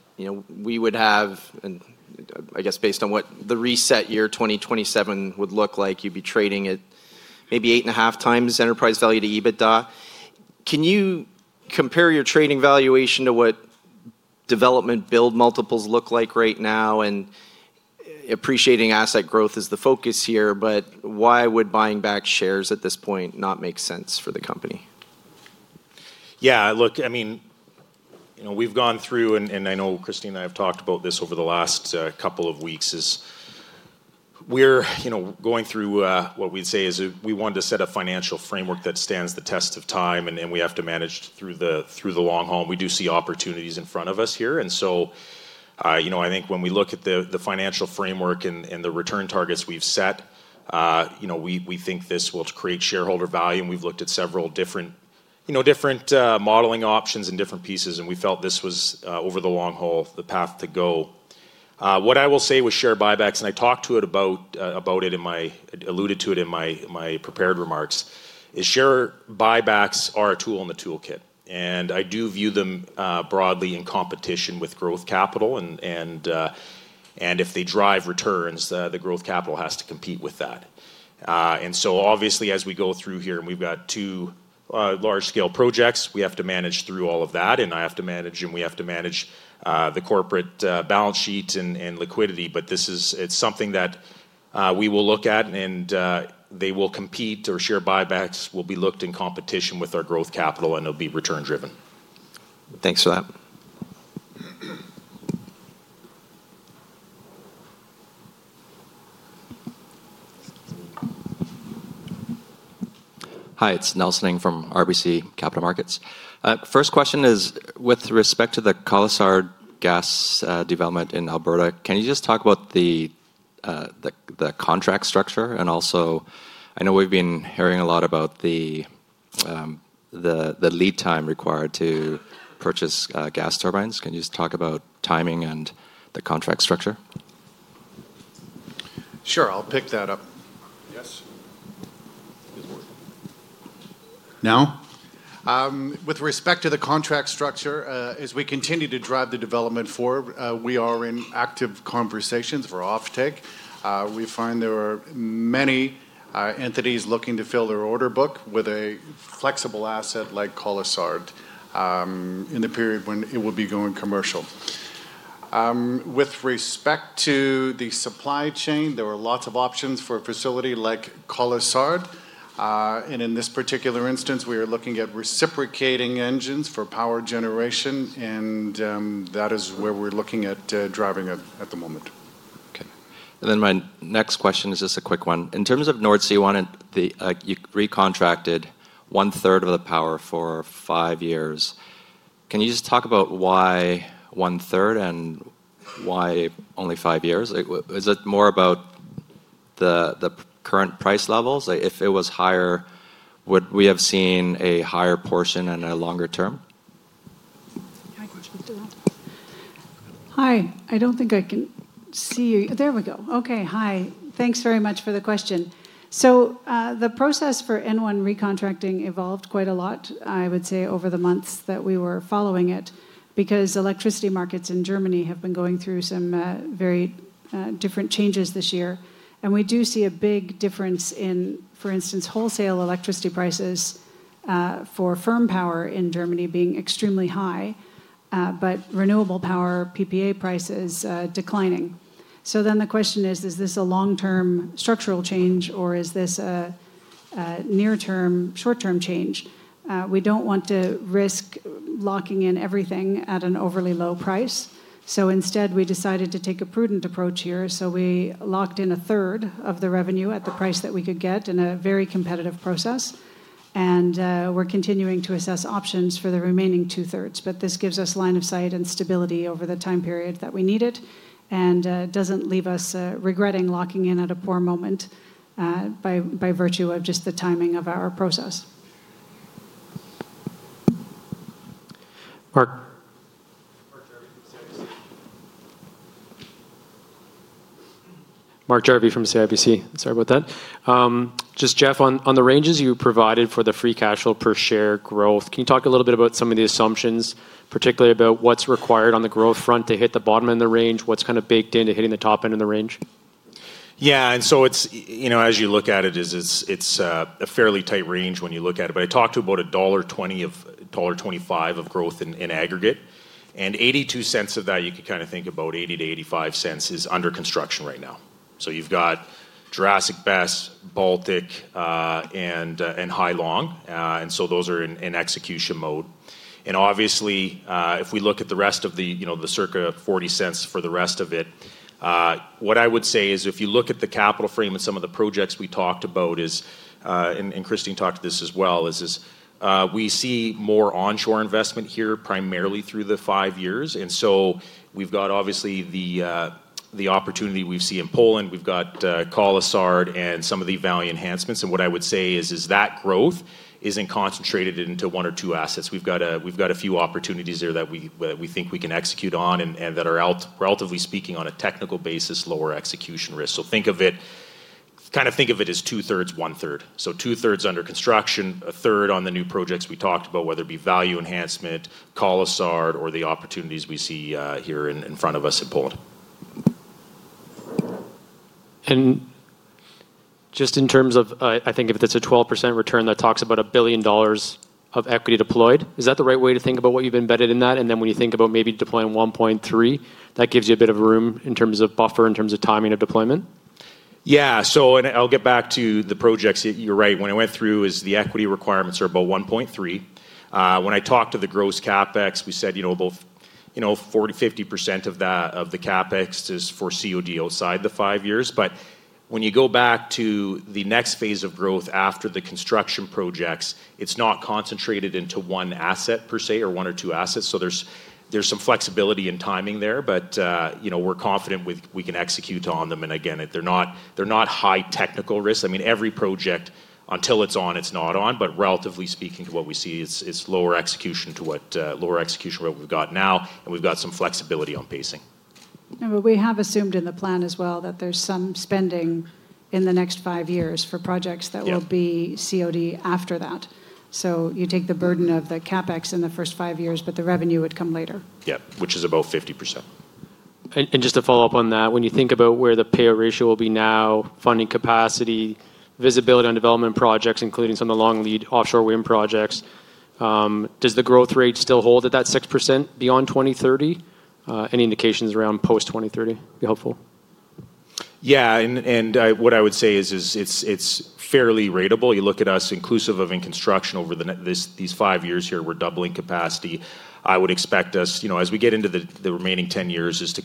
we would have, and I guess based on what the reset year 2027 would look like, you'd be trading at maybe eight and a half times enterprise value to EBITDA. Can you compare your trading valuation to what development build multiples look like right now? Appreciating asset growth is the focus here, but why would buying back shares at this point not make sense for the company? Yeah, look, I mean, we've gone through, and I know Christine and I have talked about this over the last couple of weeks, we are going through what we'd say is we want to set a financial framework that stands the test of time, and we have to manage through the long haul. We do see opportunities in front of us here. I think when we look at the financial framework and the return targets we've set, we think this will create shareholder value. We've looked at several different modeling options and different pieces, and we felt this was, over the long haul, the path to go. What I will say with share buybacks, and I talked about it and alluded to it in my prepared remarks, is share buybacks are a tool in the toolkit. I do view them broadly in competition with growth capital. If they drive returns, the growth capital has to compete with that. Obviously, as we go through here, and we have two large-scale projects, we have to manage through all of that. I have to manage, and we have to manage the corporate balance sheet and liquidity. This is something that we will look at, and they will compete, or share buybacks will be looked at in competition with our growth capital, and it will be return-driven. Thanks for that. Hi, it's Nelson Ng from RBC Capital Markets. First question is, with respect to the Colosard gas development in Alberta, can you just talk about the contract structure? Also, I know we've been hearing a lot about the lead time required to purchase gas turbines. Can you just talk about timing and the contract structure? Sure, I'll pick that up. Yes. Now? With respect to the contract structure, as we continue to drive the development forward, we are in active conversations for off-take. We find there are many entities looking to fill their order book with a flexible asset like Colosard in the period when it will be going commercial. With respect to the supply chain, there are lots of options for a facility like Colosard. In this particular instance, we are looking at reciprocating engines for power generation, and that is where we're looking at driving at the moment. Okay. My next question is just a quick one. In terms of North Sea One, you pre-contracted one-third of the power for five years. Can you just talk about why one-third and why only five years? Is it more about the current price levels? If it was higher, would we have seen a higher portion in the longer term? Hi, I do not think I can see you. There we go. Okay, hi. Thanks very much for the question. The process for N1 recontracting evolved quite a lot, I would say, over the months that we were following it, because electricity markets in Germany have been going through some very different changes this year. We do see a big difference in, for instance, wholesale electricity prices for firm power in Germany being extremely high, but renewable power PPA prices declining. The question is, is this a long-term structural change, or is this a near-term, short-term change? We do not want to risk locking in everything at an overly low price. Instead, we decided to take a prudent approach here. We locked in a third of the revenue at the price that we could get in a very competitive process. We are continuing to assess options for the remaining two-thirds. This gives us line of sight and stability over the time period that we need it and does not leave us regretting locking in at a poor moment by virtue of just the timing of our process. Mark. Mark Jarvi from CIBC. Sorry about that. Just Jeff, on the ranges you provided for the free cash flow per share growth, can you talk a little bit about some of the assumptions, particularly about what's required on the growth front to hit the bottom end of the range? What's kind of baked into hitting the top end of the range? Yeah, as you look at it, it's a fairly tight range when you look at it. I talked to you about $1.20 of growth in aggregate, and $0.82 of that, you could kind of think about $0.80-$0.85, is under construction right now. You've got Jurassic BESS, Baltic, and Hailong, and those are in execution mode. Obviously, if we look at the rest of the circa $0.40 for the rest of it, what I would say is if you look at the capital frame and some of the projects we talked about, and Christine talked to this as well, we see more onshore investment here primarily through the five years. We've got obviously the opportunity we've seen in Poland, we've got Colosard, and some of the value enhancements. What I would say is that growth isn't concentrated into one or two assets. We've got a few opportunities there that we think we can execute on and that are, relatively speaking, on a technical basis, lower execution risk. Kind of think of it as two-thirds, one-third. Two-thirds under construction, a third on the new projects we talked about, whether it be value enhancement, Colosard, or the opportunities we see here in front of us in Poland. Just in terms of, I think if it's a 12% return, that talks about $1 billion of equity deployed. Is that the right way to think about what you've embedded in that? When you think about maybe deploying $1.3 billion, that gives you a bit of room in terms of buffer, in terms of timing of deployment? Yeah, and I'll get back to the projects. You're right. When I went through, the equity requirements are about 1.3 billion. When I talked to the gross CapEx, we said about 40%-50% of the CapEx is for COD outside the five years. When you go back to the next phase of growth after the construction projects, it's not concentrated into one asset per se or one or two assets. There's some flexibility in timing there, but we're confident we can execute on them. I mean, every project, until it's on, it's not on. Relatively speaking, what we see is lower execution to what lower execution we've got now, and we've got some flexibility on pacing. We have assumed in the plan as well that there's some spending in the next five years for projects that will be COD after that. You take the burden of the CapEx in the first five years, but the revenue would come later. Yeah, which is about 50%. Just to follow up on that, when you think about where the payout ratio will be now, funding capacity, visibility on development projects, including some of the long-lead offshore wind projects, does the growth rate still hold at that 6% beyond 2030? Any indications around post-2030 would be helpful? Yeah, and what I would say is it's fairly ratable. You look at us inclusive of in construction over these five years here, we're doubling capacity. I would expect us, as we get into the remaining 10 years, is to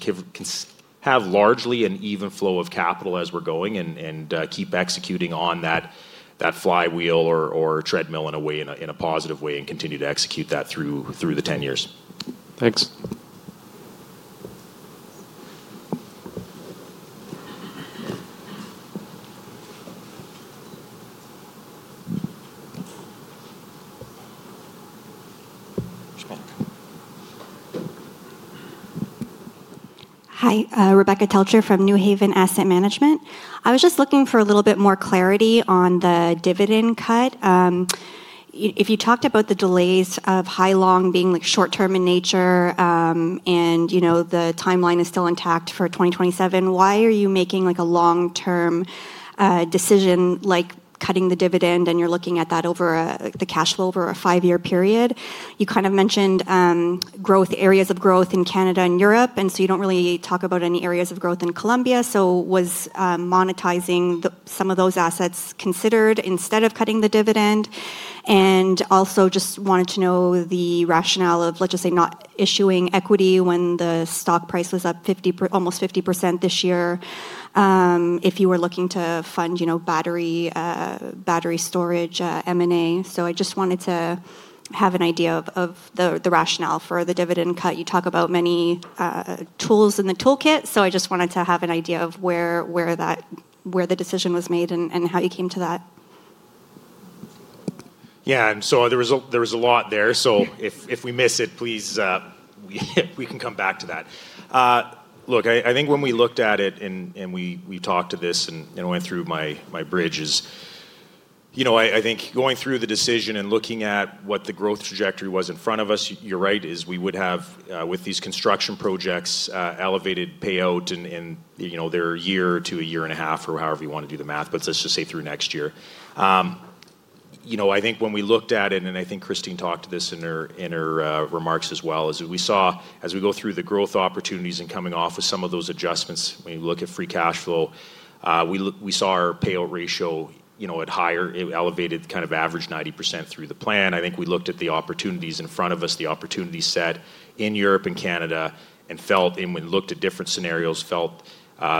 have largely an even flow of capital as we're going and keep executing on that flywheel or treadmill in a positive way and continue to execute that through the 10 years. Thanks. Hi, Rebecca Telcher from Newhaven Asset Management. I was just looking for a little bit more clarity on the dividend cut. If you talked about the delays of Hailong being short-term in nature and the timeline is still intact for 2027, why are you making a long-term decision like cutting the dividend and you're looking at that over the cash flow over a five-year period? You kind of mentioned areas of growth in Canada and Europe, and you don't really talk about any areas of growth in Colombia. Was monetizing some of those assets considered instead of cutting the dividend? I also just wanted to know the rationale of, let's just say, not issuing equity when the stock price was up almost 50% this year if you were looking to fund battery storage M&A. I just wanted to have an idea of the rationale for the dividend cut. You talk about many tools in the toolkit, so I just wanted to have an idea of where the decision was made and how you came to that. Yeah, there was a lot there. If we miss it, please, we can come back to that. Look, I think when we looked at it and we talked to this and went through my bridges, I think going through the decision and looking at what the growth trajectory was in front of us, you're right, we would have, with these construction projects, elevated payout in their year to a year and a half or however you want to do the math, but let's just say through next year. I think when we looked at it, and I think Christine talked to this in her remarks as well, is we saw as we go through the growth opportunities and coming off of some of those adjustments, when you look at free cash flow, we saw our payout ratio at higher, elevated kind of average 90% through the plan. I think we looked at the opportunities in front of us, the opportunity set in Europe and Canada, and looked at different scenarios, felt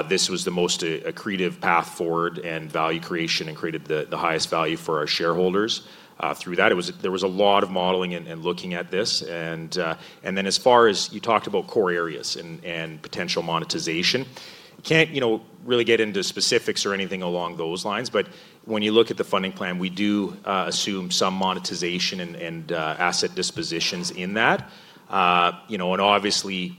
this was the most accretive path forward and value creation and created the highest value for our shareholders through that. There was a lot of modeling and looking at this. As far as you talked about core areas and potential monetization, can't really get into specifics or anything along those lines. When you look at the funding plan, we do assume some monetization and asset dispositions in that. Obviously,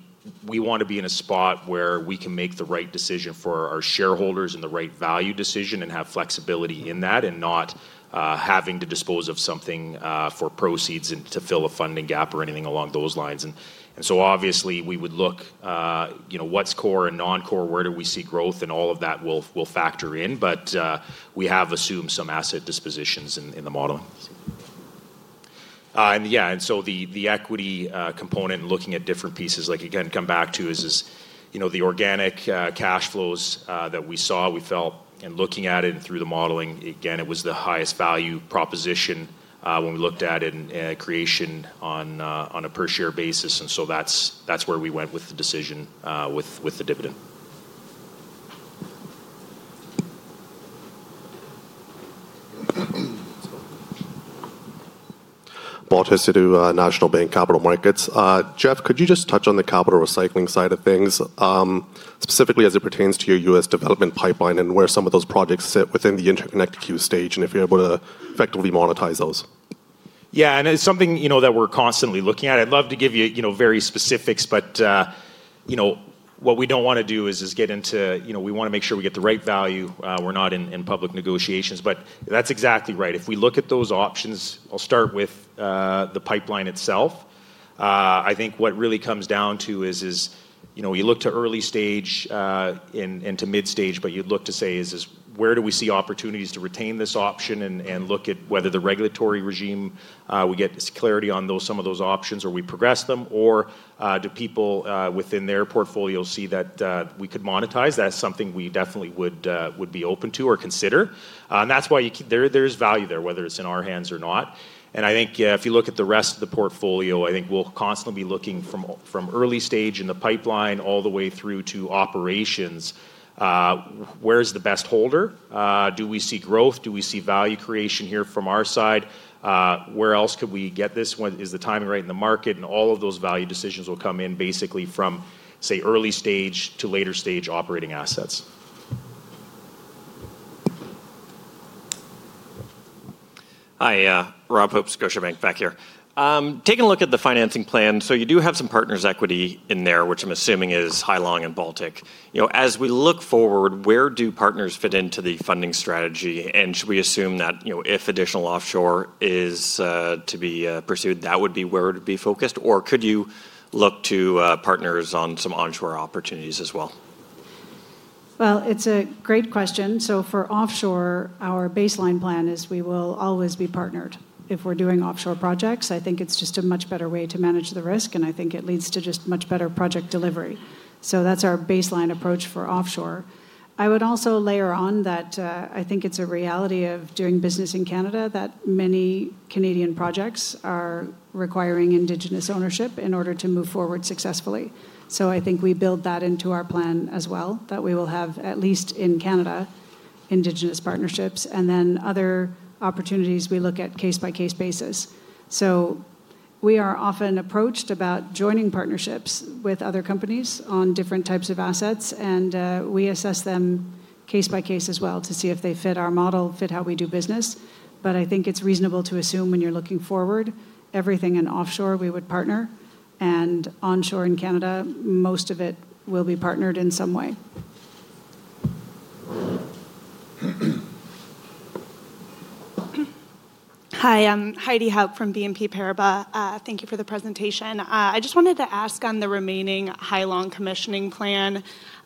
we want to be in a spot where we can make the right decision for our shareholders and the right value decision and have flexibility in that, not having to dispose of something for proceeds to fill a funding gap or anything along those lines. Obviously, we would look at what's core and non-core, where we see growth, and all of that will factor in. We have assumed some asset dispositions in the modeling. Yeah, and so the equity component and looking at different pieces, like again, come back to is the organic cash flows that we saw, we felt, and looking at it and through the modeling, again, it was the highest value proposition when we looked at it and creation on a per-share basis. That is where we went with the decision with the dividend. Paul Tesla to National Bank Capital Markets. Jeff, could you just touch on the capital recycling side of things, specifically as it pertains to your US development pipeline and where some of those projects sit within the interconnect queue stage and if you're able to effectively monetize those? Yeah, and it's something that we're constantly looking at. I'd love to give you very specifics, but what we don't want to do is get into, we want to make sure we get the right value. We're not in public negotiations. That's exactly right. If we look at those options, I'll start with the pipeline itself. I think what it really comes down to is you look to early stage and to mid-stage, but you look to say, where do we see opportunities to retain this option and look at whether the regulatory regime, we get clarity on some of those options, or we progress them, or do people within their portfolio see that we could monetize? That's something we definitely would be open to or consider. That's why there is value there, whether it's in our hands or not. I think if you look at the rest of the portfolio, I think we'll constantly be looking from early stage in the pipeline all the way through to operations. Where's the best holder? Do we see growth? Do we see value creation here from our side? Where else could we get this? Is the timing right in the market? All of those value decisions will come in basically from, say, early stage to later stage operating assets. Hi, Rob Hope, Scotiabank back here. Taking a look at the financing plan, you do have some partners' equity in there, which I'm assuming is Hailong and Baltic. As we look forward, where do partners fit into the funding strategy? Should we assume that if additional offshore is to be pursued, that would be where it would be focused? Could you look to partners on some onshore opportunities as well? It's a great question. For offshore, our baseline plan is we will always be partnered if we're doing offshore projects. I think it's just a much better way to manage the risk, and I think it leads to just much better project delivery. That's our baseline approach for offshore. I would also layer on that I think it's a reality of doing business in Canada that many Canadian projects are requiring indigenous ownership in order to move forward successfully. I think we build that into our plan as well, that we will have at least in Canada indigenous partnerships, and then other opportunities we look at case-by-case basis. We are often approached about joining partnerships with other companies on different types of assets, and we assess them case-by-case as well to see if they fit our model, fit how we do business. I think it's reasonable to assume when you're looking forward, everything in offshore we would partner, and onshore in Canada, most of it will be partnered in some way. Hi, I'm Heidi Haupt from BNP Paribas. Thank you for the presentation. I just wanted to ask on the remaining Hailong commissioning plan,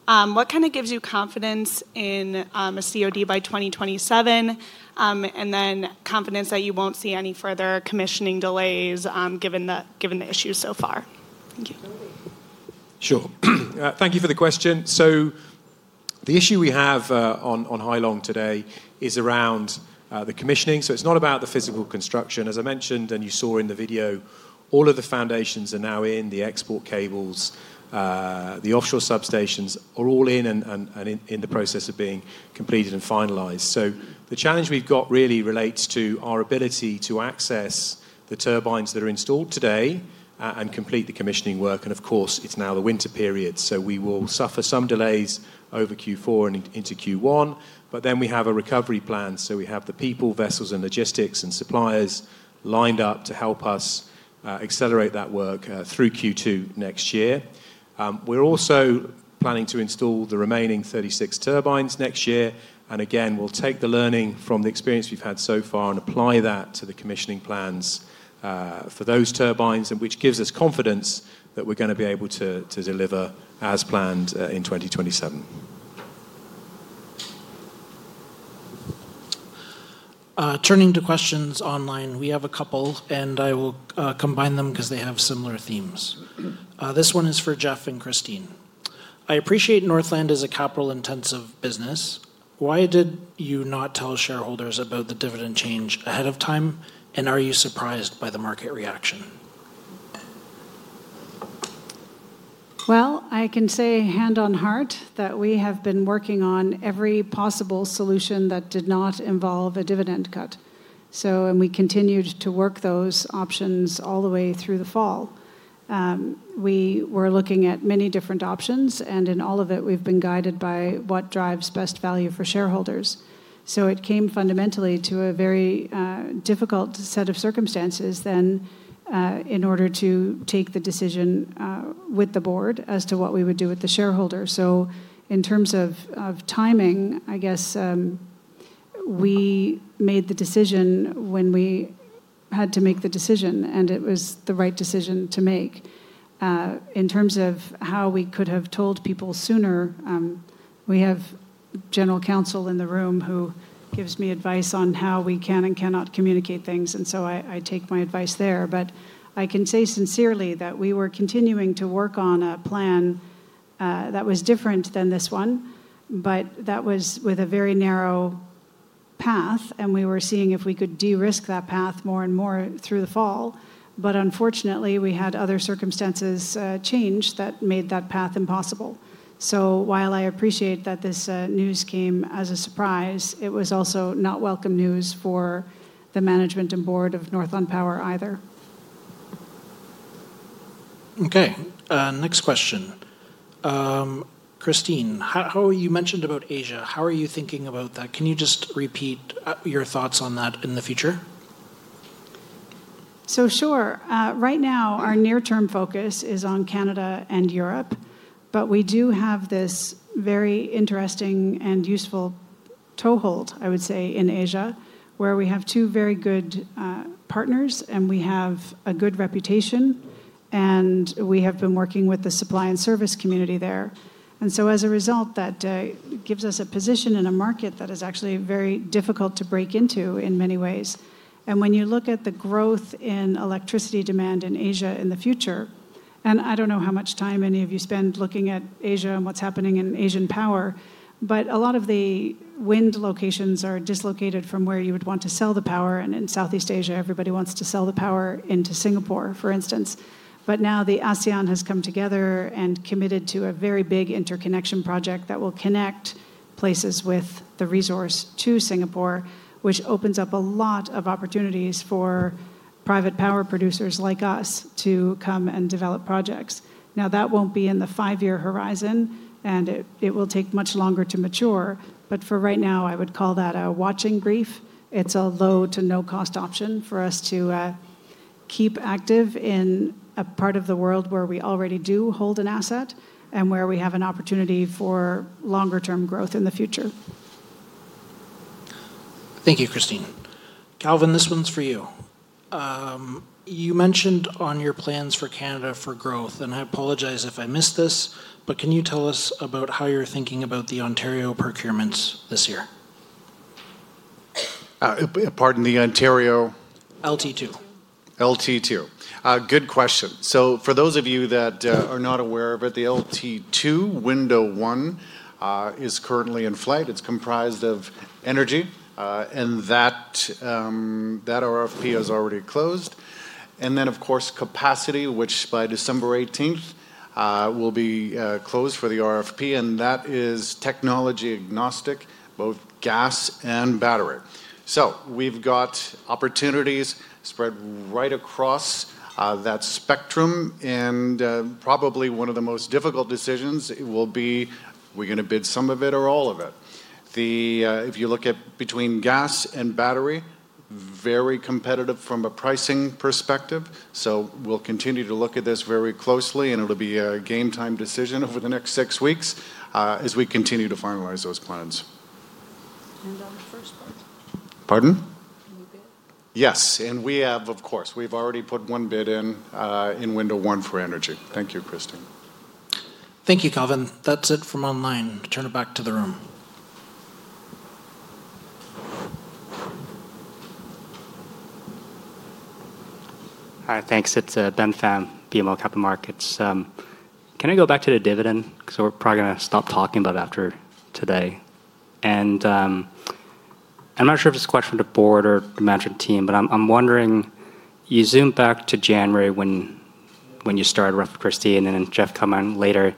what kind of gives you confidence in a COD by 2027, and then confidence that you won't see any further commissioning delays given the issues so far? Thank you. Sure. Thank you for the question. The issue we have on Hailong today is around the commissioning. It is not about the physical construction. As I mentioned, and you saw in the video, all of the foundations are now in, the export cables, the offshore substations are all in and in the process of being completed and finalized. The challenge we have really relates to our ability to access the turbines that are installed today and complete the commissioning work. Of course, it is now the winter period, so we will suffer some delays over Q4 and into Q1. We have a recovery plan, we have the people, vessels, and logistics and suppliers lined up to help us accelerate that work through Q2 next year. We are also planning to install the remaining 36 turbines next year. We'll take the learning from the experience we've had so far and apply that to the commissioning plans for those turbines, which gives us confidence that we're going to be able to deliver as planned in 2027. Turning to questions online, we have a couple, and I will combine them because they have similar themes. This one is for Jeff and Christine. I appreciate Northland is a capital-intensive business. Why did you not tell shareholders about the dividend change ahead of time, and are you surprised by the market reaction? I can say hand on heart that we have been working on every possible solution that did not involve a dividend cut. We continued to work those options all the way through the fall. We were looking at many different options, and in all of it, we've been guided by what drives best value for shareholders. It came fundamentally to a very difficult set of circumstances then in order to take the decision with the board as to what we would do with the shareholders. In terms of timing, I guess we made the decision when we had to make the decision, and it was the right decision to make. In terms of how we could have told people sooner, we have general counsel in the room who gives me advice on how we can and cannot communicate things, and I take my advice there. I can say sincerely that we were continuing to work on a plan that was different than this one, but that was with a very narrow path, and we were seeing if we could de-risk that path more and more through the fall. Unfortunately, we had other circumstances change that made that path impossible. While I appreciate that this news came as a surprise, it was also not welcome news for the management and board of Northland Power either. Okay, next question. Christine, you mentioned about Asia. How are you thinking about that? Can you just repeat your thoughts on that in the future? Right now, our near-term focus is on Canada and Europe, but we do have this very interesting and useful toehold, I would say, in Asia where we have two very good partners and we have a good reputation, and we have been working with the supply and service community there. As a result, that gives us a position in a market that is actually very difficult to break into in many ways. When you look at the growth in electricity demand in Asia in the future, and I don't know how much time any of you spend looking at Asia and what's happening in Asian power, but a lot of the wind locations are dislocated from where you would want to sell the power. In Southeast Asia, everybody wants to sell the power into Singapore, for instance. Now the ASEAN has come together and committed to a very big interconnection project that will connect places with the resource to Singapore, which opens up a lot of opportunities for private power producers like us to come and develop projects. That will not be in the five-year horizon, and it will take much longer to mature. For right now, I would call that a watching brief. It is a low to no-cost option for us to keep active in a part of the world where we already do hold an asset and where we have an opportunity for longer-term growth in the future. Thank you, Christine. Calvin, this one's for you. You mentioned on your plans for Canada for growth, and I apologize if I missed this, but can you tell us about how you're thinking about the Ontario procurements this year? Pardon the Ontario. LT2. LT2. Good question. For those of you that are not aware of it, the LT2 window one is currently in flight. It is comprised of energy, and that RFP has already closed. Of course, capacity, which by December 18th will be closed for the RFP, is technology agnostic, both gas and battery. We have opportunities spread right across that spectrum, and probably one of the most difficult decisions will be, are we going to bid some of it or all of it? If you look at between gas and battery, very competitive from a pricing perspective. We will continue to look at this very closely, and it will be a game-time decision over the next six weeks as we continue to finalize those plans. On the first part. Pardon? Can you bid? Yes. We have, of course, we've already put one bid in window one for energy. Thank you, Christine. Thank you, Calvin. That's it from online. Turn it back to the room. Hi, thanks. It's Ben Pham, BMO Capital Markets. Can I go back to the dividend? We're probably going to stop talking about it after today. I'm not sure if it's a question for the board or the management team, but I'm wondering, you zoomed back to January when you started with Christine and then Jeff coming later.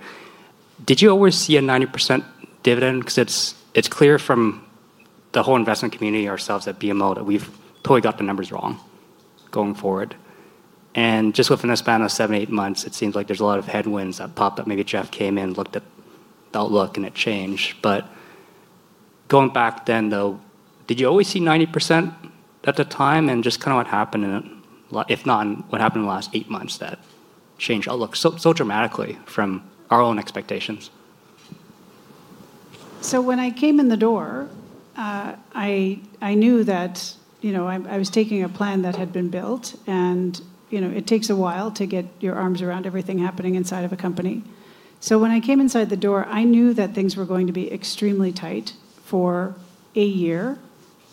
Did you always see a 90% dividend? It's clear from the whole investment community, ourselves at BMO, that we've totally got the numbers wrong going forward. Just within this span of seven, eight months, it seems like there's a lot of headwinds that popped up. Maybe Jeff came in, looked at the outlook, and it changed. Going back then, though, did you always see 90% at the time and just kind of what happened, if not what happened in the last eight months that changed outlook so dramatically from our own expectations? When I came in the door, I knew that I was taking a plan that had been built, and it takes a while to get your arms around everything happening inside of a company. When I came inside the door, I knew that things were going to be extremely tight for a year.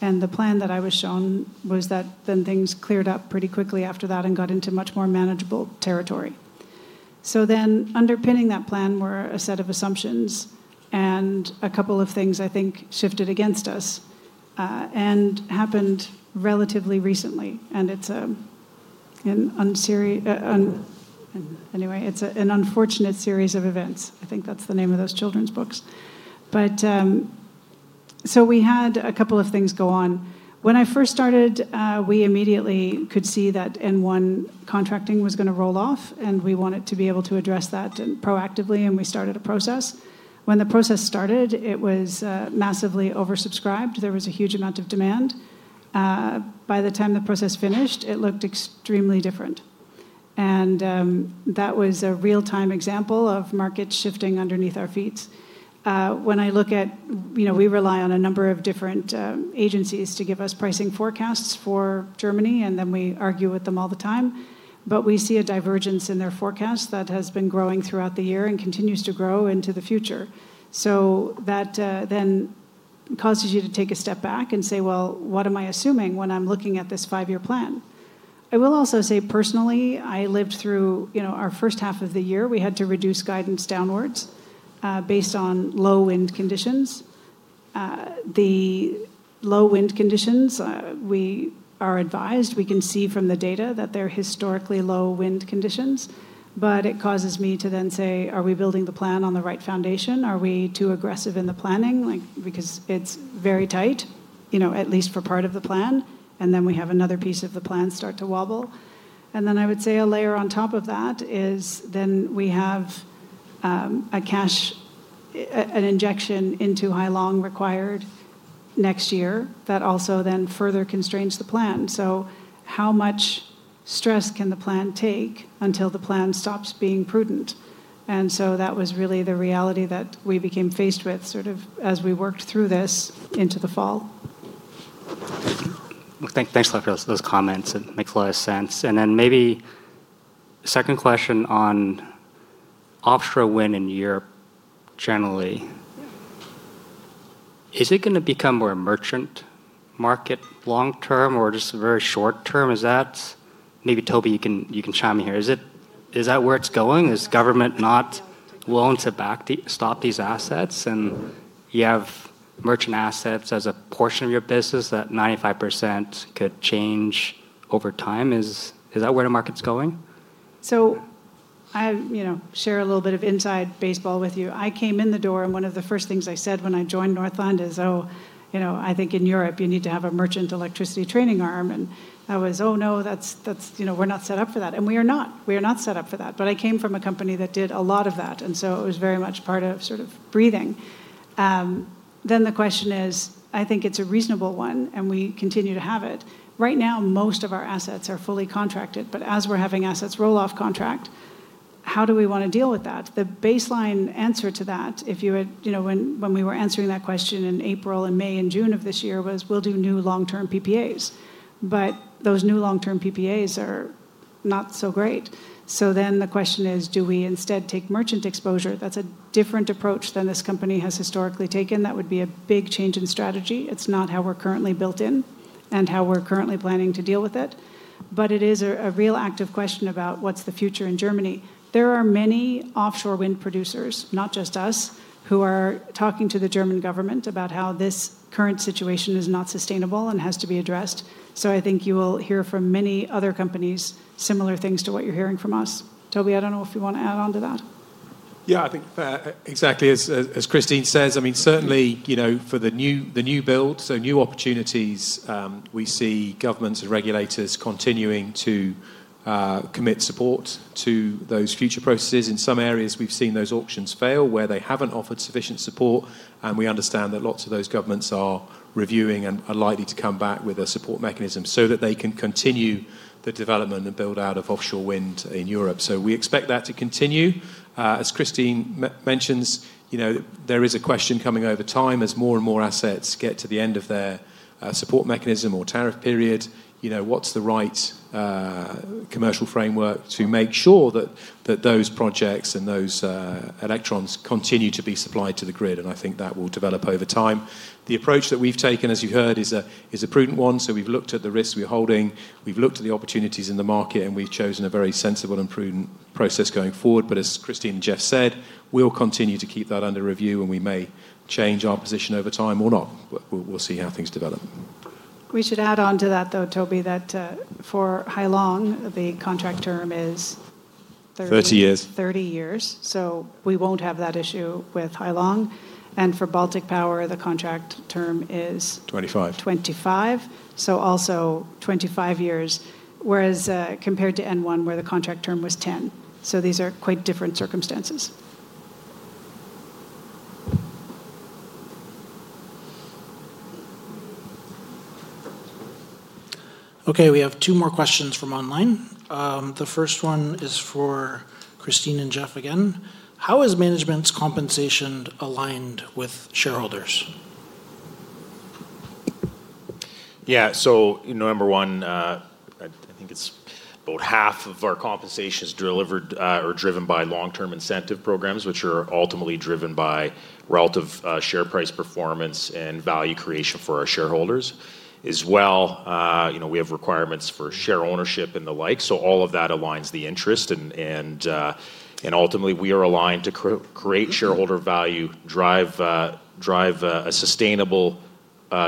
The plan that I was shown was that then things cleared up pretty quickly after that and got into much more manageable territory. Underpinning that plan were a set of assumptions and a couple of things I think shifted against us and happened relatively recently. Anyway, it's an unfortunate series of events. I think that's the name of those children's books. We had a couple of things go on. When I first started, we immediately could see that N1 contracting was going to roll off, and we wanted to be able to address that proactively, and we started a process. When the process started, it was massively oversubscribed. There was a huge amount of demand. By the time the process finished, it looked extremely different. That was a real-time example of markets shifting underneath our feet. When I look at, we rely on a number of different agencies to give us pricing forecasts for Germany, and then we argue with them all the time. We see a divergence in their forecasts that has been growing throughout the year and continues to grow into the future. That then causes you to take a step back and say, you know, what am I assuming when I'm looking at this five-year plan? I will also say personally, I lived through our first half of the year, we had to reduce guidance downwards based on low wind conditions. The low wind conditions, we are advised, we can see from the data that they're historically low wind conditions. It causes me to then say, are we building the plan on the right foundation? Are we too aggressive in the planning? Because it's very tight, at least for part of the plan, and we have another piece of the plan start to wobble. I would say a layer on top of that is we have a cash, an injection into Hailong required next year that also then further constrains the plan. How much stress can the plan take until the plan stops being prudent? That was really the reality that we became faced with sort of as we worked through this into the fall. Thanks a lot for those comments. It makes a lot of sense. Maybe second question on offshore wind in Europe generally. Is it going to become more a merchant market long-term or just very short-term? Maybe Toby, you can chime in here. Is that where it's going? Is government not willing to stop these assets? And you have merchant assets as a portion of your business that 95% could change over time. Is that where the market's going? I share a little bit of inside baseball with you. I came in the door, and one of the first things I said when I joined Northland is, oh, I think in Europe you need to have a merchant electricity trading arm. I was, oh no, we're not set up for that. We are not. We are not set up for that. I came from a company that did a lot of that, and so it was very much part of sort of breathing. The question is, I think it's a reasonable one, and we continue to have it. Right now, most of our assets are fully contracted, but as we're having assets roll off contract, how do we want to deal with that? The baseline answer to that, if you had, when we were answering that question in April and May and June of this year was, we'll do new long-term PPAs. But those new long-term PPAs are not so great. So then the question is, do we instead take merchant exposure? That's a different approach than this company has historically taken. That would be a big change in strategy. It's not how we're currently built in and how we're currently planning to deal with it. But it is a real active question about what's the future in Germany. There are many offshore wind producers, not just us, who are talking to the German government about how this current situation is not sustainable and has to be addressed. So I think you will hear from many other companies similar things to what you're hearing from us. Toby, I don't know if you want to add on to that. Yeah, I think exactly as Christine says. I mean, certainly for the new build, so new opportunities, we see governments and regulators continuing to commit support to those future processes. In some areas, we've seen those auctions fail where they haven't offered sufficient support. We understand that lots of those governments are reviewing and are likely to come back with a support mechanism so that they can continue the development and build out of offshore wind in Europe. We expect that to continue. As Christine mentions, there is a question coming over time as more and more assets get to the end of their support mechanism or tariff period. What's the right commercial framework to make sure that those projects and those electrons continue to be supplied to the grid? I think that will develop over time. The approach that we've taken, as you heard, is a prudent one. We have looked at the risks we're holding. We have looked at the opportunities in the market, and we have chosen a very sensible and prudent process going forward. As Christine and Jeff said, we will continue to keep that under review, and we may change our position over time or not. We will see how things develop. We should add on to that, though, Toby, that for Hailong, the contract term is 30 years. 30 years. We won't have that issue with Hailong. For Baltic Power, the contract term is. 25. Also 25 years, whereas compared to N1, where the contract term was 10. So these are quite different circumstances. Okay, we have two more questions from online. The first one is for Christine and Jeff again. How is management's compensation aligned with shareholders? Yeah, so number one, I think it's about half of our compensation is delivered or driven by long-term incentive programs, which are ultimately driven by relative share price performance and value creation for our shareholders. As well, we have requirements for share ownership and the like. All of that aligns the interest. Ultimately, we are aligned to create shareholder value, drive a sustainable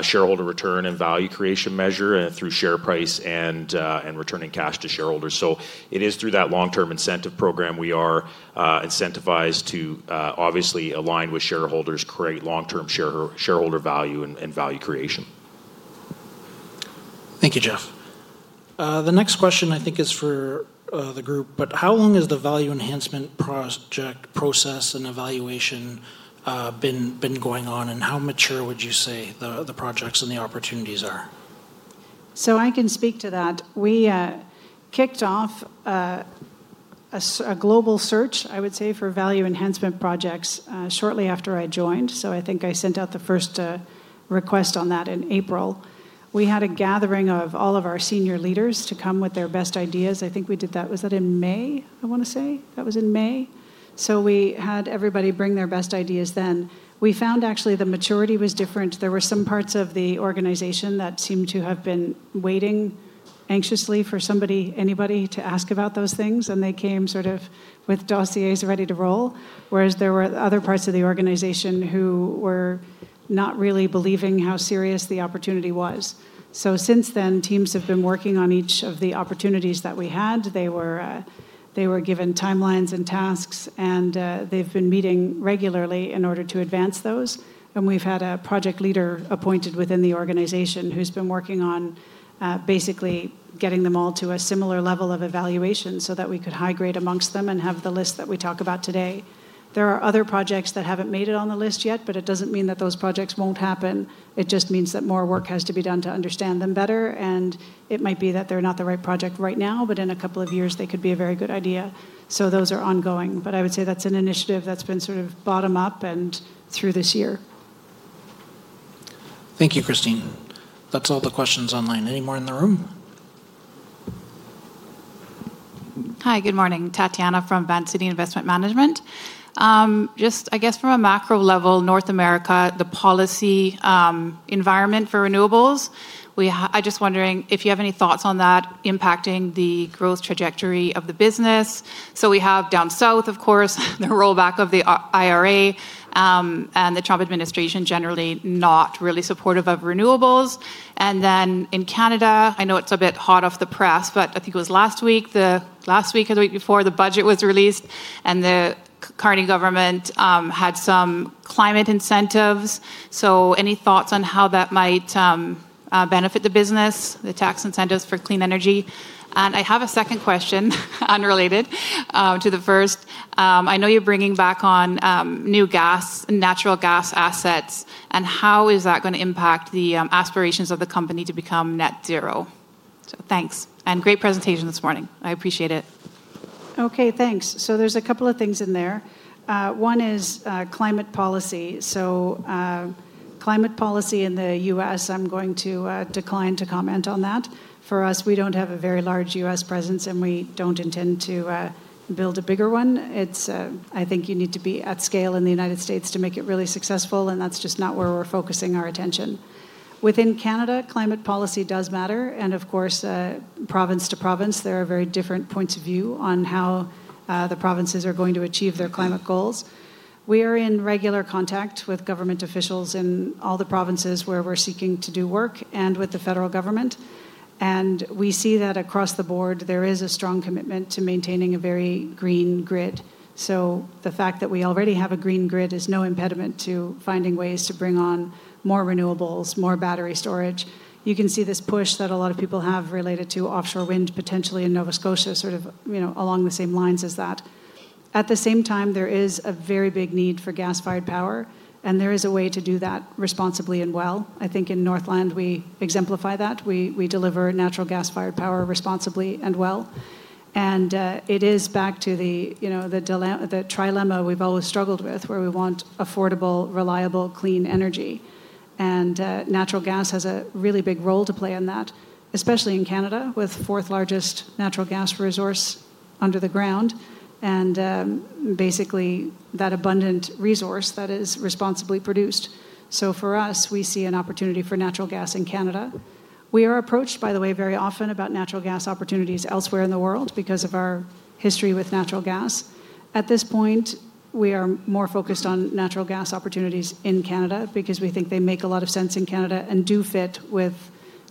shareholder return and value creation measure through share price and returning cash to shareholders. It is through that long-term incentive program we are incentivized to obviously align with shareholders, create long-term shareholder value and value creation. Thank you, Jeff. The next question I think is for the group, but how long has the value enhancement project process and evaluation been going on, and how mature would you say the projects and the opportunities are? I can speak to that. We kicked off a global search, I would say, for value enhancement projects shortly after I joined. I think I sent out the first request on that in April. We had a gathering of all of our senior leaders to come with their best ideas. I think we did that, was that in May, I want to say? That was in May. We had everybody bring their best ideas then. We found actually the maturity was different. There were some parts of the organization that seemed to have been waiting anxiously for somebody, anybody to ask about those things, and they came sort of with dossiers ready to roll, whereas there were other parts of the organization who were not really believing how serious the opportunity was. Since then, teams have been working on each of the opportunities that we had. They were given timelines and tasks, and they've been meeting regularly in order to advance those. We've had a project leader appointed within the organization who's been working on basically getting them all to a similar level of evaluation so that we could high grade amongst them and have the list that we talk about today. There are other projects that haven't made it on the list yet, but it doesn't mean that those projects won't happen. It just means that more work has to be done to understand them better. It might be that they're not the right project right now, but in a couple of years, they could be a very good idea. Those are ongoing. I would say that's an initiative that's been sort of bottom up and through this year. Thank you, Christine. That's all the questions online. Any more in the room? Hi, good morning. Tatiana from Van City Investment Management. Just I guess from a macro level, North America, the policy environment for renewables, I'm just wondering if you have any thoughts on that impacting the growth trajectory of the business. We have down south, of course, the rollback of the IRA and the Trump administration generally not really supportive of renewables. In Canada, I know it's a bit hot off the press, but I think it was last week, the last week or the week before, the budget was released and the Carney government had some climate incentives. Any thoughts on how that might benefit the business, the tax incentives for clean energy? I have a second question unrelated to the first. I know you're bringing back on new gas and natural gas assets, and how is that going to impact the aspirations of the company to become net zero? Thanks. Great presentation this morning. I appreciate it. Okay, thanks. There is a couple of things in there. One is climate policy. Climate policy in the U.S., I'm going to decline to comment on that. For us, we do not have a very large U.S. presence, and we do not intend to build a bigger one. I think you need to be at scale in the United States to make it really successful, and that is just not where we are focusing our attention. Within Canada, climate policy does matter. Of course, province to province, there are very different points of view on how the provinces are going to achieve their climate goals. We are in regular contact with government officials in all the provinces where we are seeking to do work and with the federal government. We see that across the board, there is a strong commitment to maintaining a very green grid. The fact that we already have a green grid is no impediment to finding ways to bring on more renewables, more battery storage. You can see this push that a lot of people have related to offshore wind potentially in Nova Scotia, sort of along the same lines as that. At the same time, there is a very big need for gas-fired power, and there is a way to do that responsibly and well. I think in Northland, we exemplify that. We deliver natural gas-fired power responsibly and well. It is back to the trilemma we've always struggled with, where we want affordable, reliable, clean energy. Natural gas has a really big role to play in that, especially in Canada with the fourth largest natural gas resource under the ground and basically that abundant resource that is responsibly produced. For us, we see an opportunity for natural gas in Canada. We are approached, by the way, very often about natural gas opportunities elsewhere in the world because of our history with natural gas. At this point, we are more focused on natural gas opportunities in Canada because we think they make a lot of sense in Canada and do fit with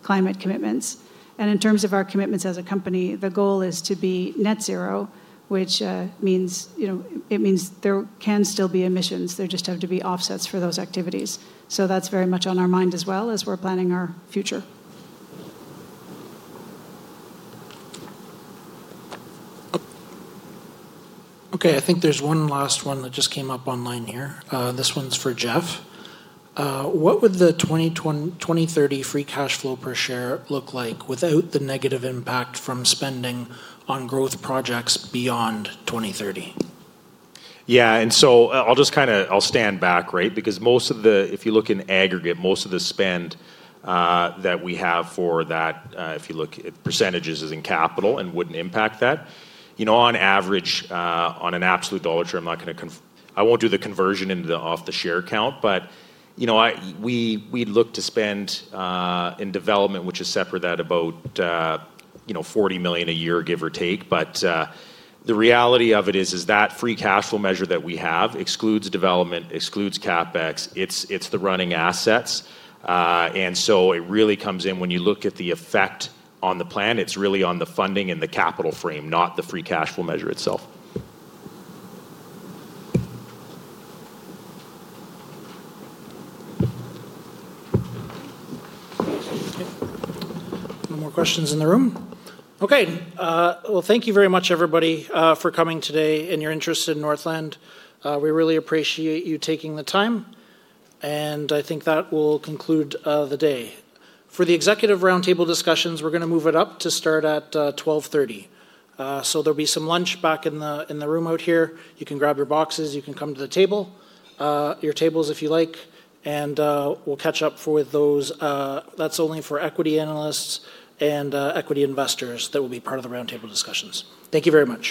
climate commitments. In terms of our commitments as a company, the goal is to be net zero, which means there can still be emissions. There just have to be offsets for those activities. That is very much on our mind as well as we are planning our future. Okay, I think there's one last one that just came up online here. This one's for Jeff. What would the 2030 free cash flow per share look like without the negative impact from spending on growth projects beyond 2030? Yeah, and I'll just kind of stand back, right? Because most of the, if you look in aggregate, most of the spend that we have for that, if you look at % as in capital, and wouldn't impact that. On average, on an absolute dollar term, I'm not going to, I won't do the conversion into the off-the-share count, but we'd look to spend in development, which is separate, that about 40 million a year, give or take. The reality of it is that free cash flow measure that we have excludes development, excludes CapEx. It's the running assets. It really comes in when you look at the effect on the plan. It's really on the funding and the capital frame, not the free cash flow measure itself. No more questions in the room? Okay, thank you very much, everybody, for coming today and your interest in Northland. We really appreciate you taking the time. I think that will conclude the day. For the executive roundtable discussions, we're going to move it up to start at 12:30. There will be some lunch back in the room out here. You can grab your boxes. You can come to the table, your tables if you like. We'll catch up with those. That's only for equity analysts and equity investors that will be part of the roundtable discussions. Thank you very much.